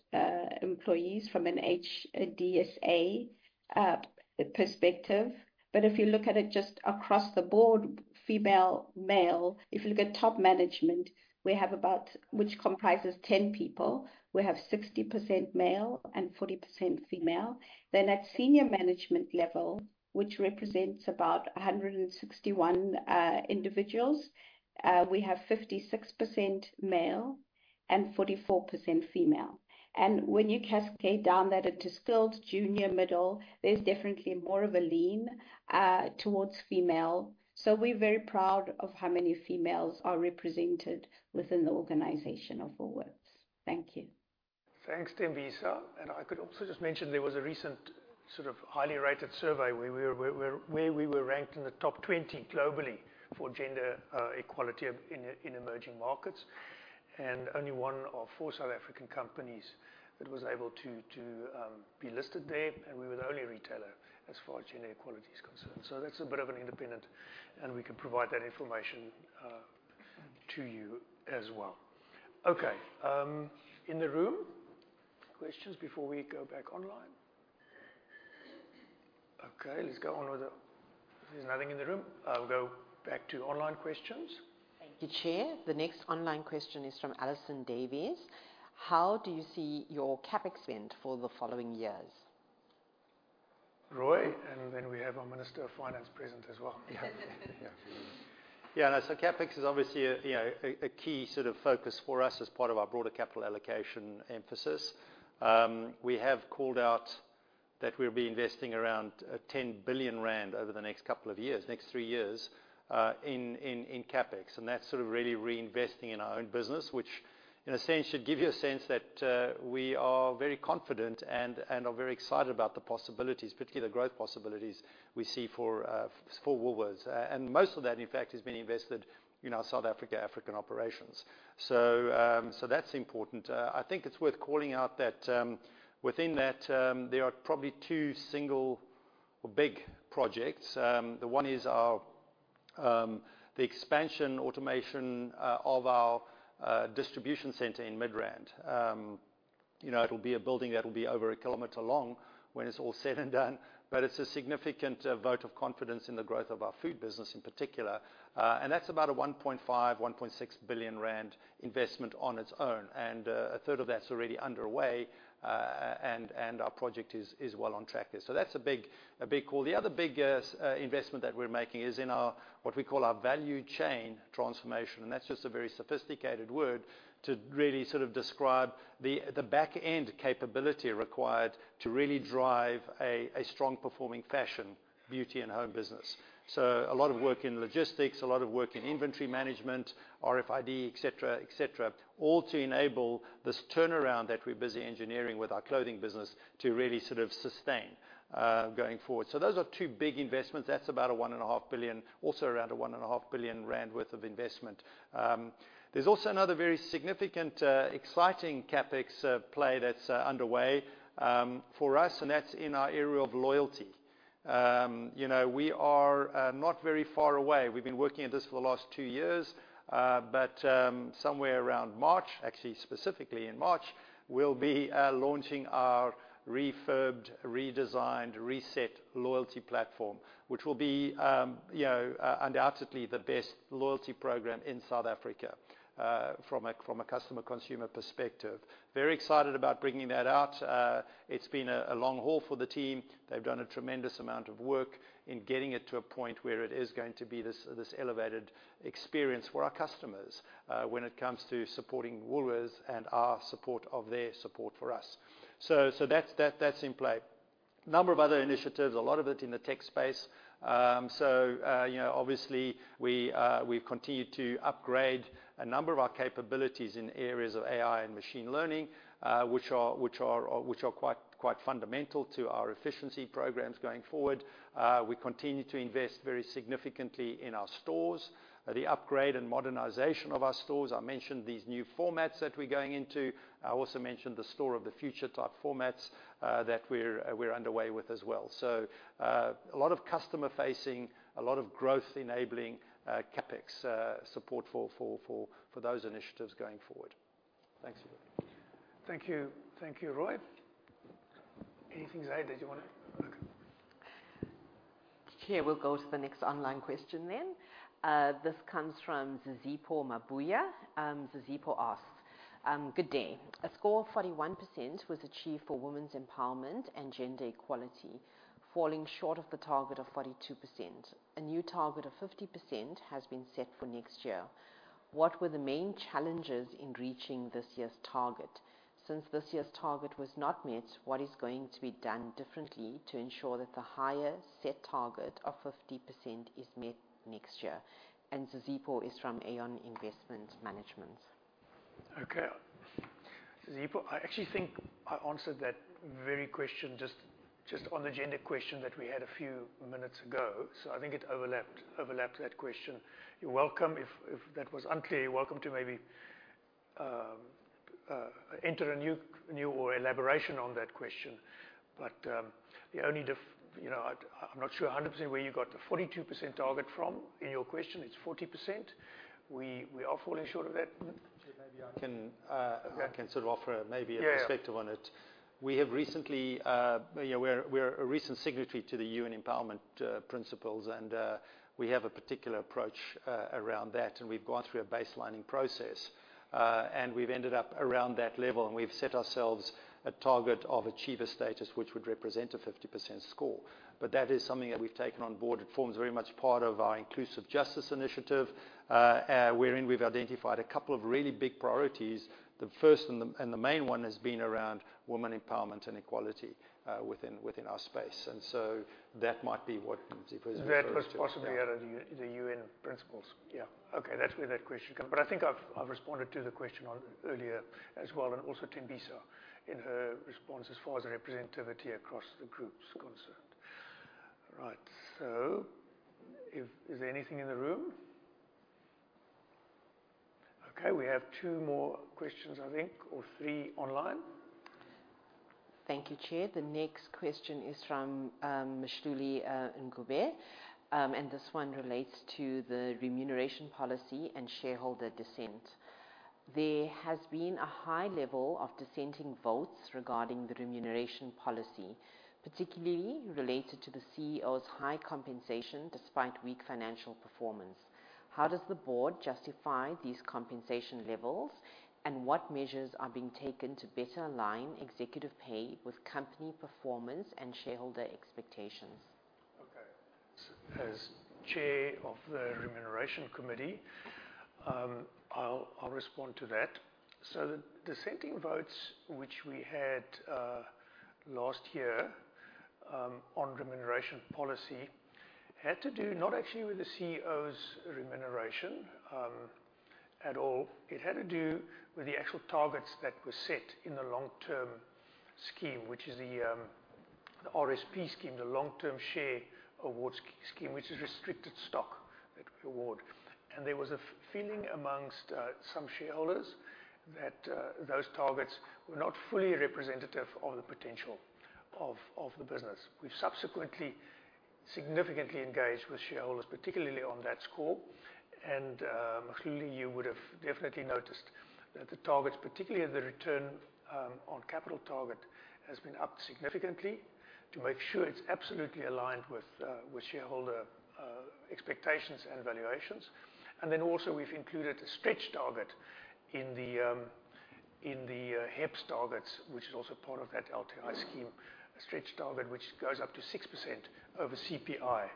employees from an HDSA perspective. But if you look at it just across the board, female-male, if you look at top management, which comprises 10 people, we have 60% male and 40% female. Then at senior management level, which represents about 161 individuals, we have 56% male and 44% female. And when you cascade down that into skilled, junior, middle, there's definitely more of a lean towards female. So we're very proud of how many females are represented within the organization of all walks. Thank you. Thanks, Thembisa. And I could also just mention there was a recent sort of highly rated survey where we were ranked in the top 20 globally for gender equality in emerging markets. And only one of four South African companies that was able to be listed there, and we were the only retailer as far as gender equality is concerned. So that's a bit of an independent, and we can provide that information to you as well. Okay. In the room, questions before we go back online? Okay. Let's go on. There's nothing in the room. I'll go back to online questions. Thank you, Chair. The next online question is from Alison Davies. How do you see your CapEx spend for the following years? Roy, and then we have our Minister of Finance present as well. Yeah. Yeah. Yeah. So CapEx is obviously a key sort of focus for us as part of our broader capital allocation emphasis. We have called out that we'll be investing around 10 billion rand over the next couple of years, next three years in CapEx. And that's sort of really reinvesting in our own business, which in a sense should give you a sense that we are very confident and are very excited about the possibilities, particularly the growth possibilities we see for Woolworths. And most of that, in fact, has been invested in our South Africa/African operations. So that's important. I think it's worth calling out that within that, there are probably two single or big projects. The one is the expansion automation of our distribution center in Midrand. It'll be a building that'll be over a kilometer long when it's all said and done. It's a significant vote of confidence in the growth of our food business in particular. That's about a 1.5-1.6 billion rand investment on its own. A third of that's already underway, and our project is well on track there. That's a big call. The other big investment that we're making is in what we call our value chain transformation. That's just a very sophisticated word to really sort of describe the back-end capability required to really drive a strong-performing fashion, beauty, and home business. A lot of work in logistics, a lot of work in inventory management, RFID, etc., etc., all to enable this turnaround that we're busy engineering with our clothing business to really sort of sustain going forward. Those are two big investments. That's about a 1.5 billion, also around a 1.5 billion rand worth of investment. There's also another very significant, exciting CapEx play that's underway for us, and that's in our area of loyalty. We are not very far away. We've been working at this for the last two years, but somewhere around March, actually specifically in March, we'll be launching our refurbed, redesigned, reset loyalty platform, which will be undoubtedly the best loyalty program in South Africa from a customer-consumer perspective. Very excited about bringing that out. It's been a long haul for the team. They've done a tremendous amount of work in getting it to a point where it is going to be this elevated experience for our customers when it comes to supporting Woolworths and our support of their support for us. So that's in play. A number of other initiatives, a lot of it in the tech space. So obviously, we've continued to upgrade a number of our capabilities in areas of AI and machine learning, which are quite fundamental to our efficiency programs going forward. We continue to invest very significantly in our stores. The upgrade and modernization of our stores. I mentioned these new formats that we're going into. I also mentioned the store of the future type formats that we're underway with as well. So a lot of customer-facing, a lot of growth-enabling CapEx support for those initiatives going forward. Thanks. Thank you. Thank you, Roy. Anything Zaid that you want to? Okay. Chair, we'll go to the next online question then. This comes from Zizipho Mabuya. Zizipho asked, "Good day. A score of 41% was achieved for women's empowerment and gender equality, falling short of the target of 42%. A new target of 50% has been set for next year. What were the main challenges in reaching this year's target? Since this year's target was not met, what is going to be done differently to ensure that the higher set target of 50% is met next year?" And Zizipho is from Aon Investment Management. Okay. Zizipho, I actually think I answered that very question just on the gender question that we had a few minutes ago. So I think it overlapped that question. You're welcome. If that was unclear, you're welcome to maybe enter a new or elaboration on that question. But the only I'm not sure 100% where you got the 42% target from in your question. It's 40%. We are falling short of that. Actually, maybe I can sort of offer maybe a perspective on it. We have recently, we're a recent signatory to the UN Empowerment Principles, and we have a particular approach around that. And we've gone through a baselining process, and we've ended up around that level. And we've set ourselves a target of achiever status, which would represent a 50% score. But that is something that we've taken on board. It forms very much part of our Inclusive Justice Initiative wherein we've identified a couple of really big priorities. The first and the main one has been around women empowerment and equality within our space. And so that might be what Zizipho has been working on. That was possibly out of the UN principles. Yeah. Okay. That's where that question comes. But I think I've responded to the question earlier as well, and also to Thembisa in her response as far as representativity across the groups concerned. All right. So is there anything in the room? Okay. We have two more questions, I think, or three online. Thank you, Chair. The next question is from Mehluli Ncube. And this one relates to the remuneration policy and shareholder dissent. There has been a high level of dissenting votes regarding the remuneration policy, particularly related to the CEO's high compensation despite weak financial performance. How does the board justify these compensation levels, and what measures are being taken to better align executive pay with company performance and shareholder expectations? Okay. As Chair of the Remuneration Committee, I'll respond to that. So the dissenting votes which we had last year on remuneration policy had to do not actually with the CEO's remuneration at all. It had to do with the actual targets that were set in the long-term scheme, which is the RSP scheme, the Long-Term Share Awards scheme, which is restricted stock that we award. And there was a feeling amongst some shareholders that those targets were not fully representative of the potential of the business. We've subsequently significantly engaged with shareholders, particularly on that score. And Mhluli, you would have definitely noticed that the targets, particularly the return on capital target, has been upped significantly to make sure it's absolutely aligned with shareholder expectations and valuations. And then also we've included a stretch target in the HEPS targets, which is also part of that LTI scheme, a stretch target which goes up to 6% over CPI,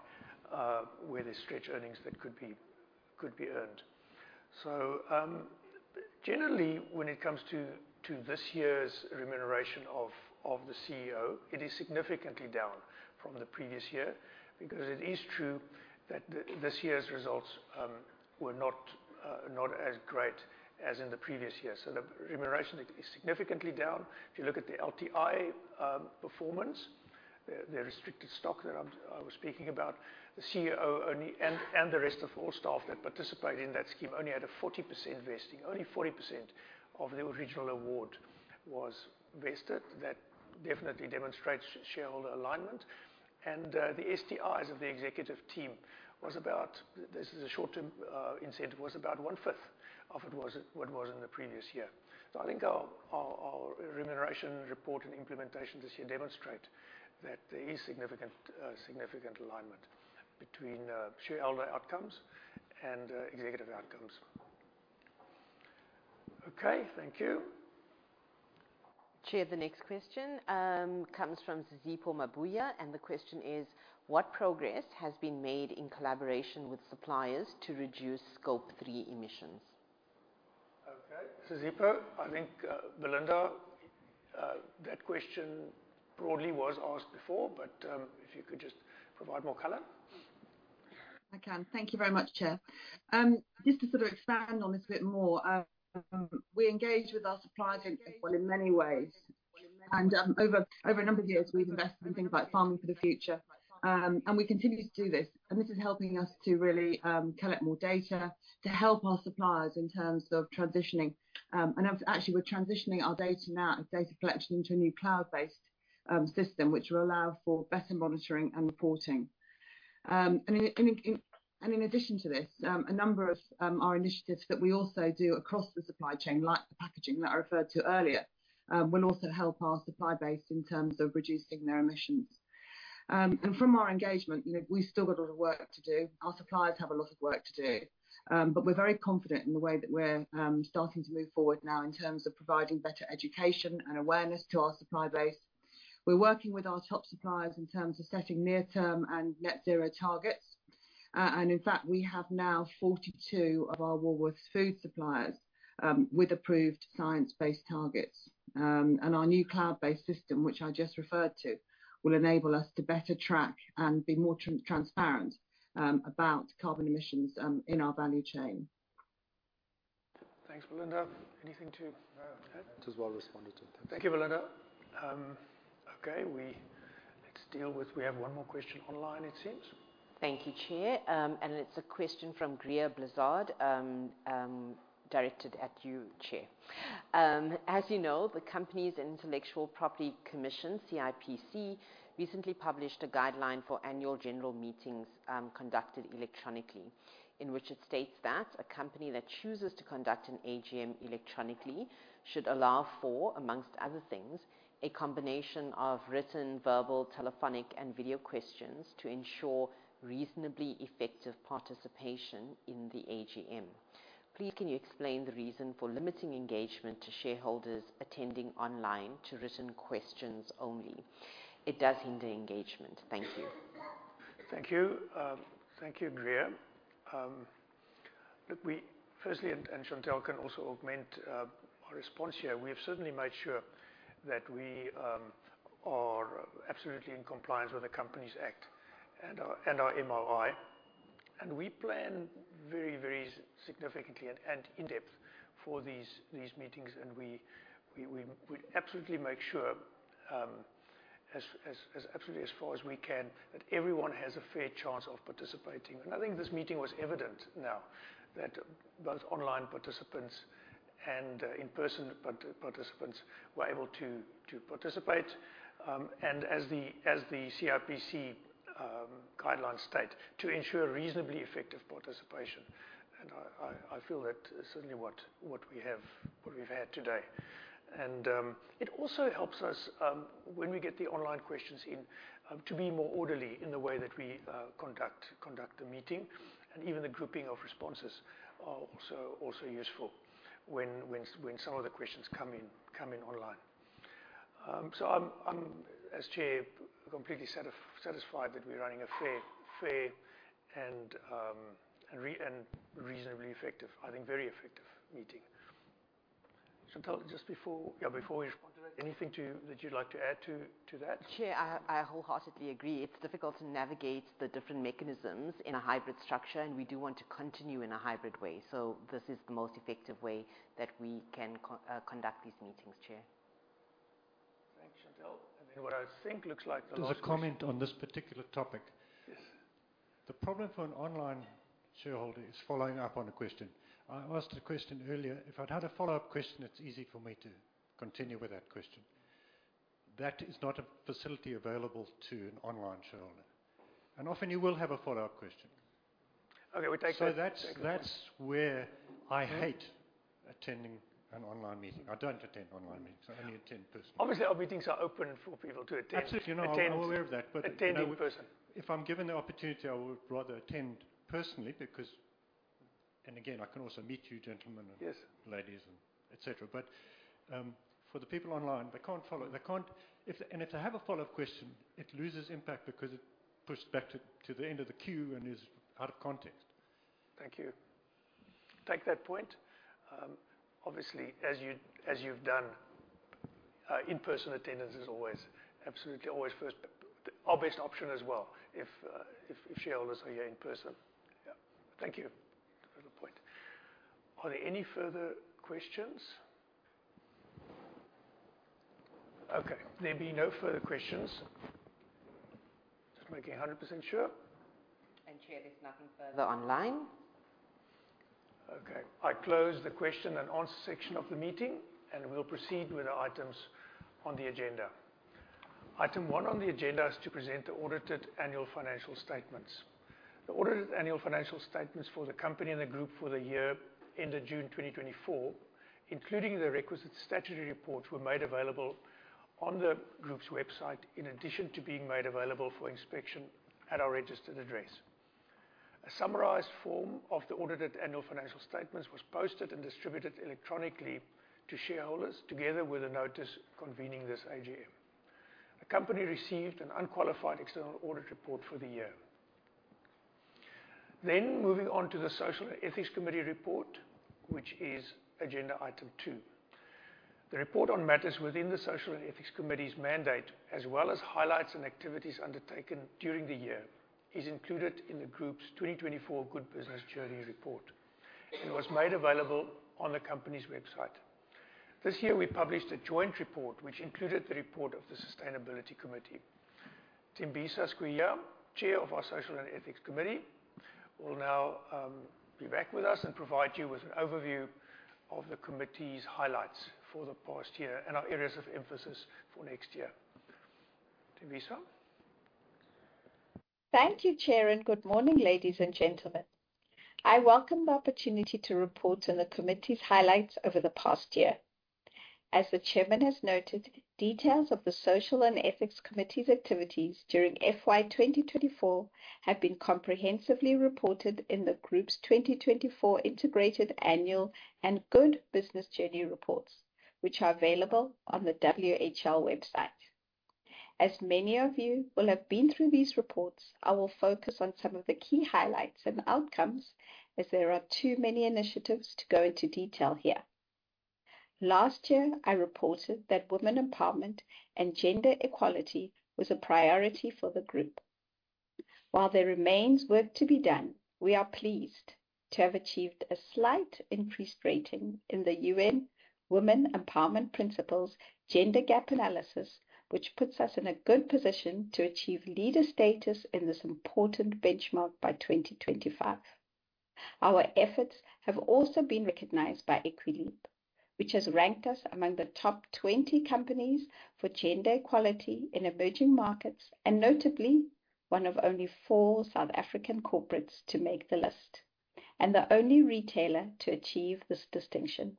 where there's stretch earnings that could be earned. So generally, when it comes to this year's remuneration of the CEO, it is significantly down from the previous year because it is true that this year's results were not as great as in the previous year. So the remuneration is significantly down. If you look at the LTI performance, the restricted stock that I was speaking about, the CEO and the rest of all staff that participate in that scheme only had a 40% vesting. Only 40% of the original award was vested. That definitely demonstrates shareholder alignment. The STIs of the executive team was about, this is a short-term incentive, was about one-fifth of what was in the previous year. I think our remuneration report and implementation this year demonstrate that there is significant alignment between shareholder outcomes and executive outcomes. Okay. Thank you. Chair, the next question comes from Zizipho Mabuya, and the question is, "What progress has been made in collaboration with suppliers to reduce Scope 3 emissions? Okay. Zizipho, I think, Belinda, that question broadly was asked before, but if you could just provide more color. I can. Thank you very much, Chair. Just to sort of expand on this a bit more, we engage with our suppliers in many ways. And over a number of years, we've invested in things like Farming for the Future. And we continue to do this. And this is helping us to really collect more data to help our suppliers in terms of transitioning. And actually, we're transitioning our data now, data collection into a new cloud-based system, which will allow for better monitoring and reporting. And in addition to this, a number of our initiatives that we also do across the supply chain, like the packaging that I referred to earlier, will also help our supply base in terms of reducing their emissions. And from our engagement, we've still got a lot of work to do. Our suppliers have a lot of work to do. But we're very confident in the way that we're starting to move forward now in terms of providing better education and awareness to our supply base. We're working with our top suppliers in terms of setting near-term and net-zero targets. And in fact, we have now 42 of our Woolworths food suppliers with approved science-based targets. And our new cloud-based system, which I just referred to, will enable us to better track and be more transparent about carbon emissions in our value chain. Thanks, Belinda. Anything to add? Thank you, Belinda. Okay. Let's deal with we have one more question online, it seems. Thank you, Chair. And it's a question from Greer Blizzard, directed at you, Chair. As you know, the Companies and Intellectual Property Commission, CIPC, recently published a guideline for annual general meetings conducted electronically, in which it states that a company that chooses to conduct an AGM electronically should allow for, among other things, a combination of written, verbal, telephonic, and video questions to ensure reasonably effective participation in the AGM. Please, can you explain the reason for limiting engagement to shareholders attending online to written questions only? It does hinder engagement. Thank you. Thank you. Thank you, Greer. Firstly, and Chantel can also augment our response here. We have certainly made sure that we are absolutely in compliance with the Companies Act and our MOI. And we plan very, very significantly and in-depth for these meetings. And we absolutely make sure, absolutely as far as we can, that everyone has a fair chance of participating. And I think this meeting was evident now that both online participants and in-person participants were able to participate. And as the CIPC guidelines state, to ensure reasonably effective participation. And I feel that is certainly what we've had today. And it also helps us, when we get the online questions in, to be more orderly in the way that we conduct the meeting. And even the grouping of responses are also useful when some of the questions come in online. I'm, as Chair, completely satisfied that we're running a fair and reasonably effective, I think very effective meeting. Chantel, just before we respond to that, anything that you'd like to add to that? Chair, I wholeheartedly agree. It's difficult to navigate the different mechanisms in a hybrid structure, and we do want to continue in a hybrid way. So this is the most effective way that we can conduct these meetings, Chair. Thanks, Chantel. And then what I think looks like the last. There's a comment on this particular topic. The problem for an online shareholder is following up on a question. I asked the question earlier. If I'd had a follow-up question, it's easy for me to continue with that question. That is not a facility available to an online shareholder, and often, you will have a follow-up question. Okay. We take that. So that's where I hate attending an online meeting. I don't attend online meetings. I only attend personally. Obviously, our meetings are open for people to attend. Absolutely. You're not aware of that, but. Attend in person. If I'm given the opportunity, I would rather attend personally because, and again, I can also meet you gentlemen and ladies and etc. But for the people online, they can't follow, and if they have a follow-up question, it loses impact because it pushed back to the end of the queue and is out of context. Thank you. Take that point. Obviously, as you've done, in-person attendance is always absolutely always the obvious option as well if shareholders are here in person. Yeah. Thank you. Good point. Are there any further questions? Okay. There being no further questions, just making 100% sure. Chair, there's nothing further online. Okay. I close the question and answer section of the meeting, and we'll proceed with the items on the agenda. Item one on the agenda is to present the audited annual financial statements. The audited annual financial statements for the company and the group for the year-end of June 2024, including the requisite statutory reports, were made available on the group's website in addition to being made available for inspection at our registered address. A summarized form of the audited annual financial statements was posted and distributed electronically to shareholders together with a notice convening this AGM. The company received an unqualified external audit report for the year then moving on to the Social and Ethics Committee report, which is agenda item two. The report on matters within the Social and Ethics Committee's mandate, as well as highlights and activities undertaken during the year, is included in the group's 2024 Good Business Journey report and was made available on the company's website. This year, we published a joint report which included the report of the Sustainability Committee. Thembisa Skweyiya, Chair of our Social and Ethics Committee, will now be back with us and provide you with an overview of the committee's highlights for the past year and our areas of emphasis for next year. Thembisa Skweyiya. Thank you, Chair, and good morning, ladies and gentlemen. I welcome the opportunity to report on the committee's highlights over the past year. As the Chairman has noted, details of the Social and Ethics Committee's activities during FY 2024 have been comprehensively reported in the group's 2024 Integrated Annual and Good Business Journey reports, which are available on the WHL website. As many of you will have been through these reports, I will focus on some of the key highlights and outcomes as there are too many initiatives to go into detail here. Last year, I reported that women empowerment and gender equality was a priority for the group. While there remains work to be done, we are pleased to have achieved a slight increased rating in the UN Women's Empowerment Principles Gender Gap Analysis, which puts us in a good position to achieve leader status in this important benchmark by 2025. Our efforts have also been recognized by Equileap, which has ranked us among the top 20 companies for gender equality in emerging markets and notably one of only four South African corporates to make the list and the only retailer to achieve this distinction.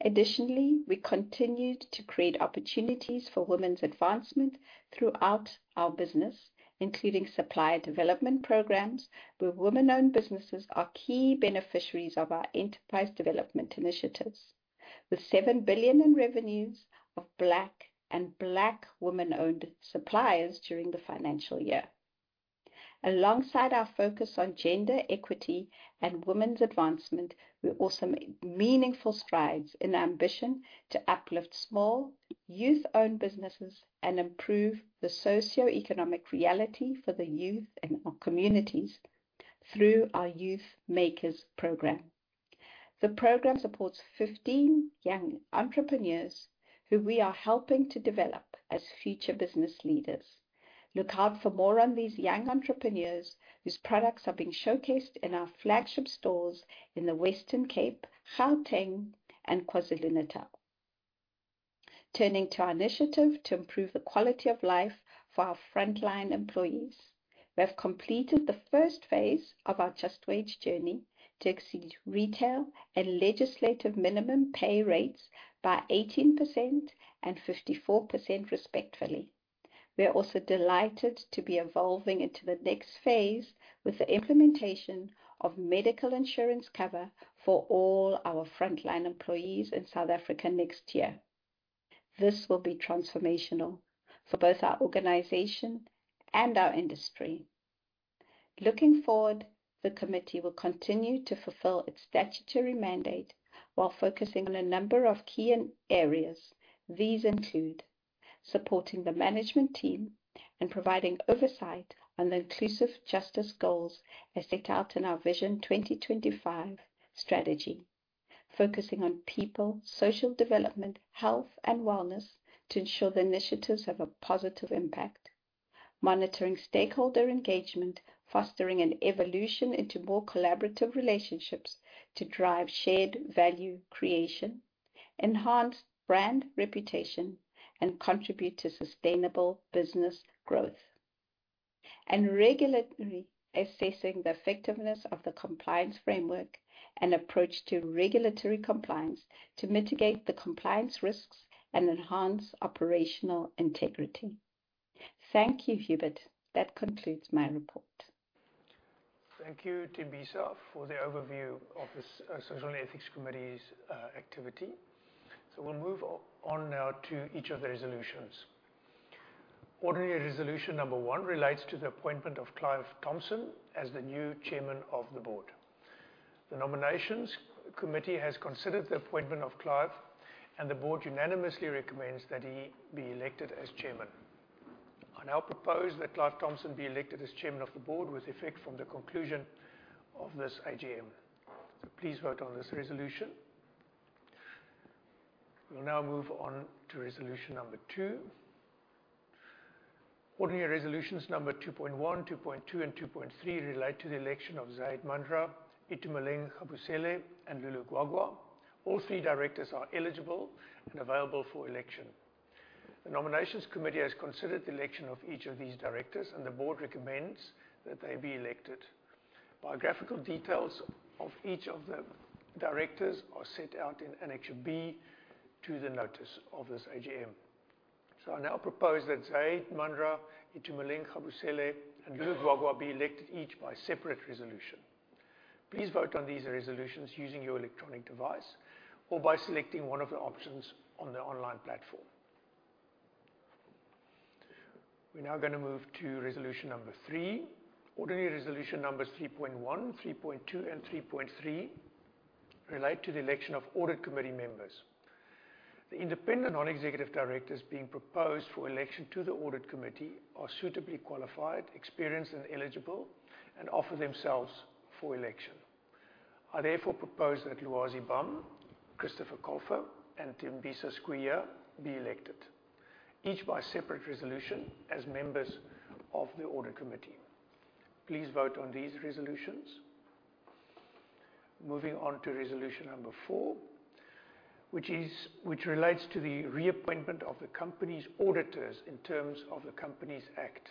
Additionally, we continued to create opportunities for women's advancement throughout our business, including supplier development programs, where women-owned businesses are key beneficiaries of our enterprise development initiatives, with seven billion in revenues of Black and Black women-owned suppliers during the financial year. Alongside our focus on gender equity and women's advancement, we also made meaningful strides in our ambition to uplift small youth-owned businesses and improve the socioeconomic reality for the youth in our communities through our Youth Makers Program. The program supports 15 young entrepreneurs who we are helping to develop as future business leaders. Look out for more on these young entrepreneurs whose products are being showcased in our flagship stores in the Western Cape, Gauteng, and KwaZulu-Natal. Turning to our initiative to improve the quality of life for our frontline employees, we have completed the first phase of our just wage journey to exceed retail and legislative minimum pay rates by 18% and 54%, respectively. We are also delighted to be evolving into the next phase with the implementation of medical insurance cover for all our frontline employees in South Africa next year. This will be transformational for both our organization and our industry. Looking forward, the committee will continue to fulfill its statutory mandate while focusing on a number of key areas. These include supporting the management team and providing oversight on the inclusive justice goals as set out in our Vision 2025 strategy, focusing on people, social development, health, and wellness to ensure the initiatives have a positive impact, monitoring stakeholder engagement, fostering an evolution into more collaborative relationships to drive shared value creation, enhance brand reputation, and contribute to sustainable business growth, and regularly assessing the effectiveness of the compliance framework and approach to regulatory compliance to mitigate the compliance risks and enhance operational integrity. Thank you, Hubert. That concludes my report. Thank you, Thembisa, for the overview of the Social and Ethics Committee's activity. We'll move on now to each of the resolutions. Ordinary Resolution Number One relates to the appointment of Clive Thomson as the new Chairman of the Board. The Nominations Committee has considered the appointment of Clive, and the Board unanimously recommends that he be elected as Chairman. I now propose that Clive Thomson be elected as Chairman of the Board with effect from the conclusion of this AGM. Please vote on this resolution. We'll now move on to Resolution Number Two. Ordinary Resolutions Number 2.1, 2.2, and 2.3 relate to the election of Zaid Manjra, Itumeleng Kgaboesele, and Lulu Gwagwa. All three directors are eligible and available for election. The Nominations Committee has considered the election of each of these directors, and the Board recommends that they be elected. Biographical details of each of the directors are set out in Annex B to the notice of this AGM. So I now propose that Zaid Manjra, Itumeleng Kgaboesele, and Lulu Gwagwa be elected each by separate resolution. Please vote on these resolutions using your electronic device or by selecting one of the options on the online platform. We're now going to move to Resolution Number Three. Ordinary Resolution Numbers 3.1, 3.2, and 3.3 relate to the election of Audit Committee members. The independent non-executive directors being proposed for election to the Audit Committee are suitably qualified, experienced, and eligible, and offer themselves for election. I therefore propose that Lwazi Bam, Christopher Colfer, and Thembisa Skweyiya be elected, each by separate resolution as members of the Audit Committee. Please vote on these resolutions. Moving on to Resolution Number Four, which relates to the reappointment of the company's auditors in terms of the Companies Act.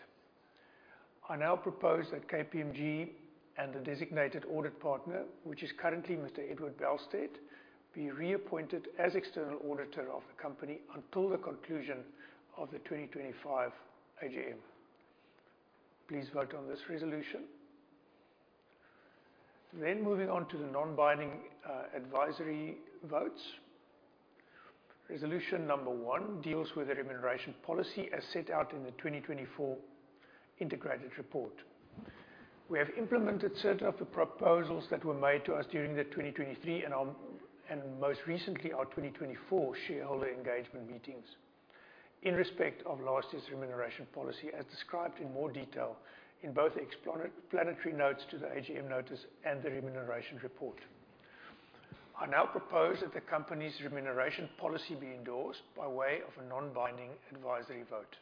I now propose that KPMG and the designated audit partner, which is currently Mr. Edward Bester, be reappointed as external auditor of the company until the conclusion of the 2025 AGM. Please vote on this resolution, then moving on to the non-binding advisory votes. Resolution Number One deals with the remuneration policy as set out in the 2024 Integrated Report. We have implemented certain of the proposals that were made to us during the 2023 and most recently, our 2024 shareholder engagement meetings in respect of last year's remuneration policy as described in more detail in both the explanatory notes to the AGM notice and the remuneration report. I now propose that the company's remuneration policy be endorsed by way of a non-binding advisory vote.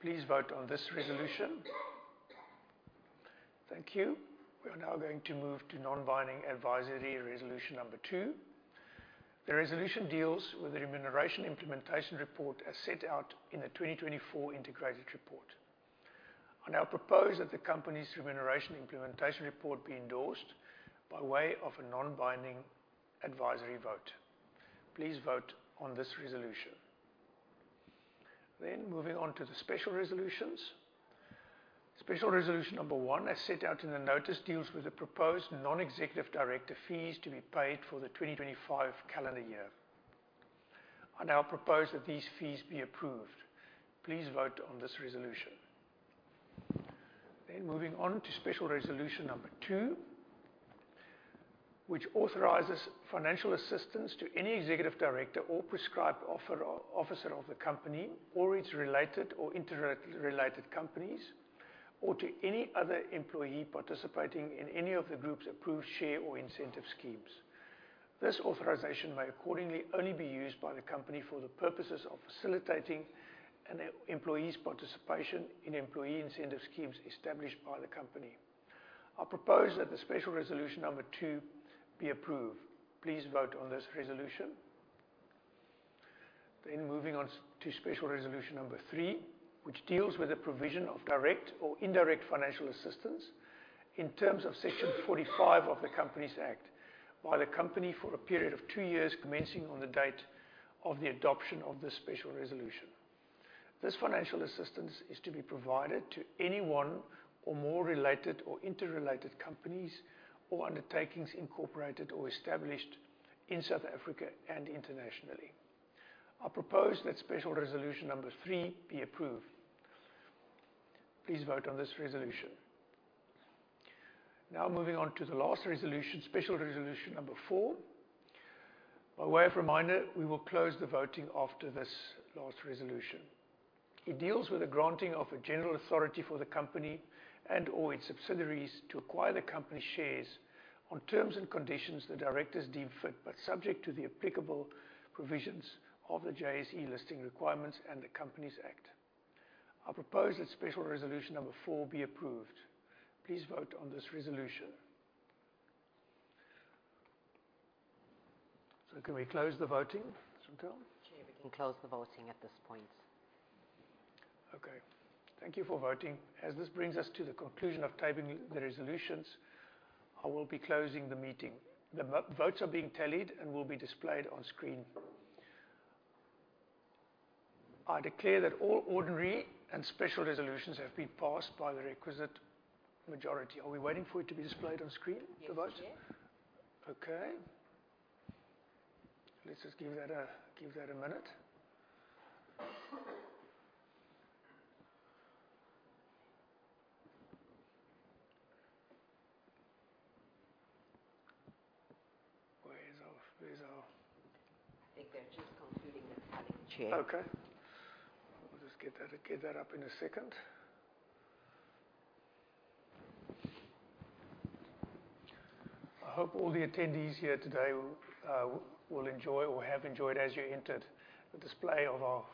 Please vote on this resolution. Thank you. We are now going to move to non-binding advisory Resolution Number Two. The resolution deals with the remuneration implementation report as set out in the 2024 Integrated Report. I now propose that the company's remuneration implementation report be endorsed by way of a non-binding advisory vote. Please vote on this resolution. Then moving on to the special resolutions. Special Resolution Number One, as set out in the notice, deals with the proposed non-executive director fees to be paid for the 2025 calendar year. I now propose that these fees be approved. Please vote on this resolution. Then moving on to Special Resolution Number Two, which authorizes financial assistance to any executive director or prescribed officer of the company or its related or interrelated companies or to any other employee participating in any of the group's approved share or incentive schemes. This authorization may accordingly only be used by the company for the purposes of facilitating an employee's participation in employee incentive schemes established by the company. I propose that the Special Resolution Number Two be approved. Please vote on this resolution. Then moving on to Special Resolution Number Three, which deals with the provision of direct or indirect financial assistance in terms of Section 45 of the Companies Act by the company for a period of two years commencing on the date of the adoption of this special resolution. This financial assistance is to be provided to any one or more related or interrelated companies or undertakings incorporated or established in South Africa and internationally. I propose that Special Resolution Number Three be approved. Please vote on this resolution. Now moving on to the last resolution, Special Resolution Number Four. By way of reminder, we will close the voting after this last resolution. It deals with the granting of a general authority for the company and/or its subsidiaries to acquire the company's shares on terms and conditions the directors deem fit, but subject to the applicable provisions of the JSE Listing Requirements and the Companies Act. I propose that Special Resolution Number Four be approved. Please vote on this resolution. So can we close the voting? Chair, we can close the voting at this point. Okay. Thank you for voting. As this brings us to the conclusion of tabling the resolutions, I will be closing the meeting. The votes are being tallied and will be displayed on screen. I declare that all ordinary and special resolutions have been passed by the requisite majority. Are we waiting for it to be displayed on screen, the votes? Yes, yes. Okay. Let's just give that a minute. Where's our? I think they're just concluding the tallying. Okay. We'll just get that up in a second. I hope all the attendees here today will enjoy or have enjoyed, as you entered, the display of our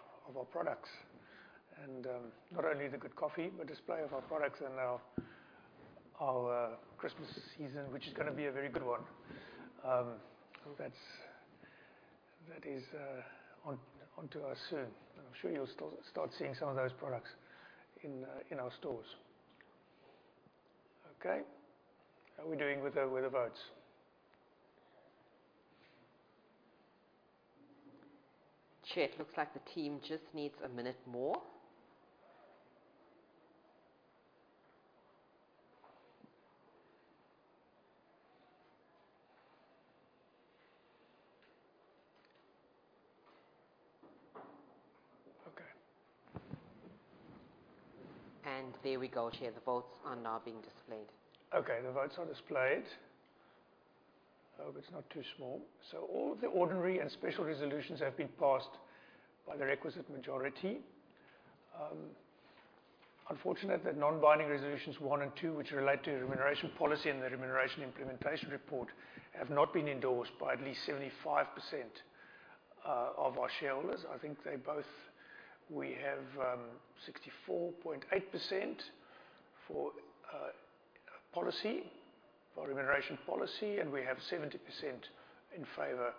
products and not only the good coffee, but the display of our products in our Christmas season, which is going to be a very good one. That is onto us soon. I'm sure you'll start seeing some of those products in our stores. Okay. How are we doing with the votes? Chair, it looks like the team just needs a minute more. Okay. There we go, Chair. The votes are now being displayed. Okay. The votes are displayed. I hope it's not too small. So all of the ordinary and special resolutions have been passed by the requisite majority. Unfortunately, the non-binding resolutions one and two, which relate to remuneration policy and the remuneration implementation report, have not been endorsed by at least 75% of our shareholders. I think they both we have 64.8% for remuneration policy, and we have 70% in favor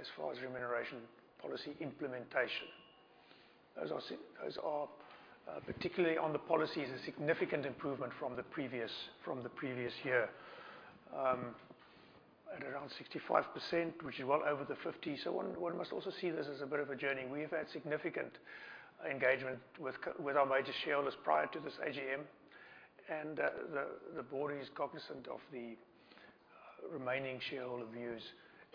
as far as remuneration policy implementation. Those are particularly on the policies, a significant improvement from the previous year, at around 65%, which is well over the 50%. So one must also see this as a bit of a journey. We have had significant engagement with our major shareholders prior to this AGM, and the board is cognizant of the remaining shareholder views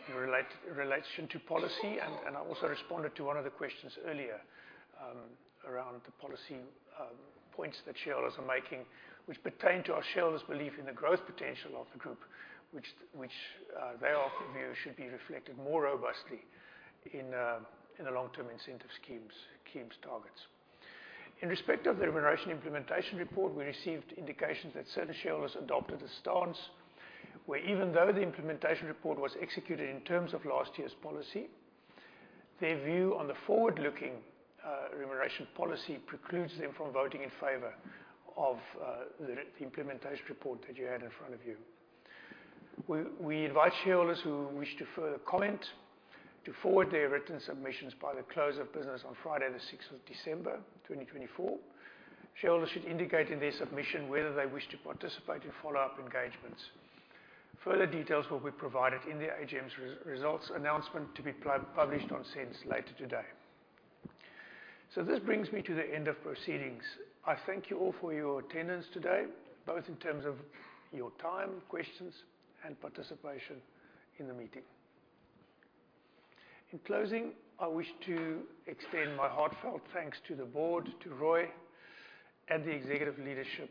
in relation to policy. I also responded to one of the questions earlier around the policy points that shareholders are making, which pertain to our shareholders' belief in the growth potential of the group, which they offer view should be reflected more robustly in the long-term incentive schemes targets. In respect of the remuneration implementation report, we received indications that certain shareholders adopted a stance where, even though the implementation report was executed in terms of last year's policy, their view on the forward-looking remuneration policy precludes them from voting in favor of the implementation report that you had in front of you. We invite shareholders who wish to further comment to forward their written submissions by the close of business on Friday, the 6th of December, 2024. Shareholders should indicate in their submission whether they wish to participate in follow-up engagements. Further details will be provided in the AGM's results announcement to be published on SENS later today. So this brings me to the end of proceedings. I thank you all for your attendance today, both in terms of your time, questions, and participation in the meeting. In closing, I wish to extend my heartfelt thanks to the board, to Roy, and the executive leadership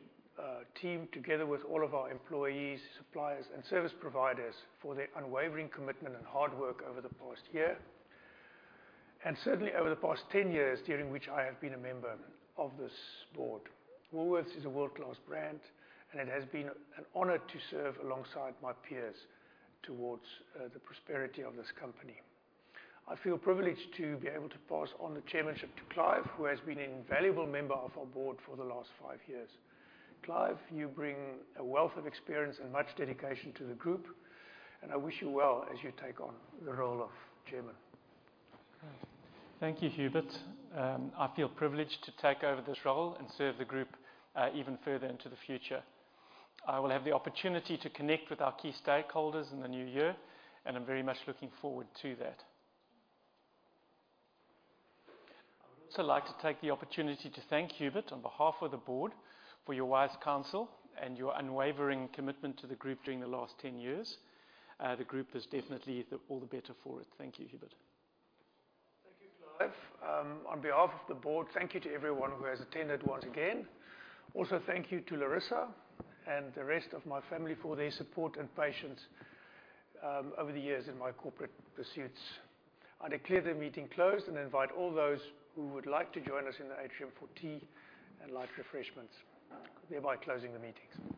team together with all of our employees, suppliers, and service providers for their unwavering commitment and hard work over the past year, and certainly over the past 10 years during which I have been a member of this board. Woolworths is a world-class brand, and it has been an honor to serve alongside my peers towards the prosperity of this company. I feel privileged to be able to pass on the chairmanship to Clive, who has been an invaluable member of our board for the last five years. Clive, you bring a wealth of experience and much dedication to the group, and I wish you well as you take on the role of chairman. Thank you, Hubert. I feel privileged to take over this role and serve the group even further into the future. I will have the opportunity to connect with our key stakeholders in the new year, and I'm very much looking forward to that. I would also like to take the opportunity to thank Hubert on behalf of the board for your wise counsel and your unwavering commitment to the group during the last 10 years. The group is definitely all the better for it. Thank you, Hubert. Thank you, Clive. On behalf of the board, thank you to everyone who has attended once again. Also, thank you to Larissa and the rest of my family for their support and patience over the years in my corporate pursuits. I declare the meeting closed and invite all those who would like to join us in the atrium for tea and light refreshments, thereby closing the meeting. Thank you.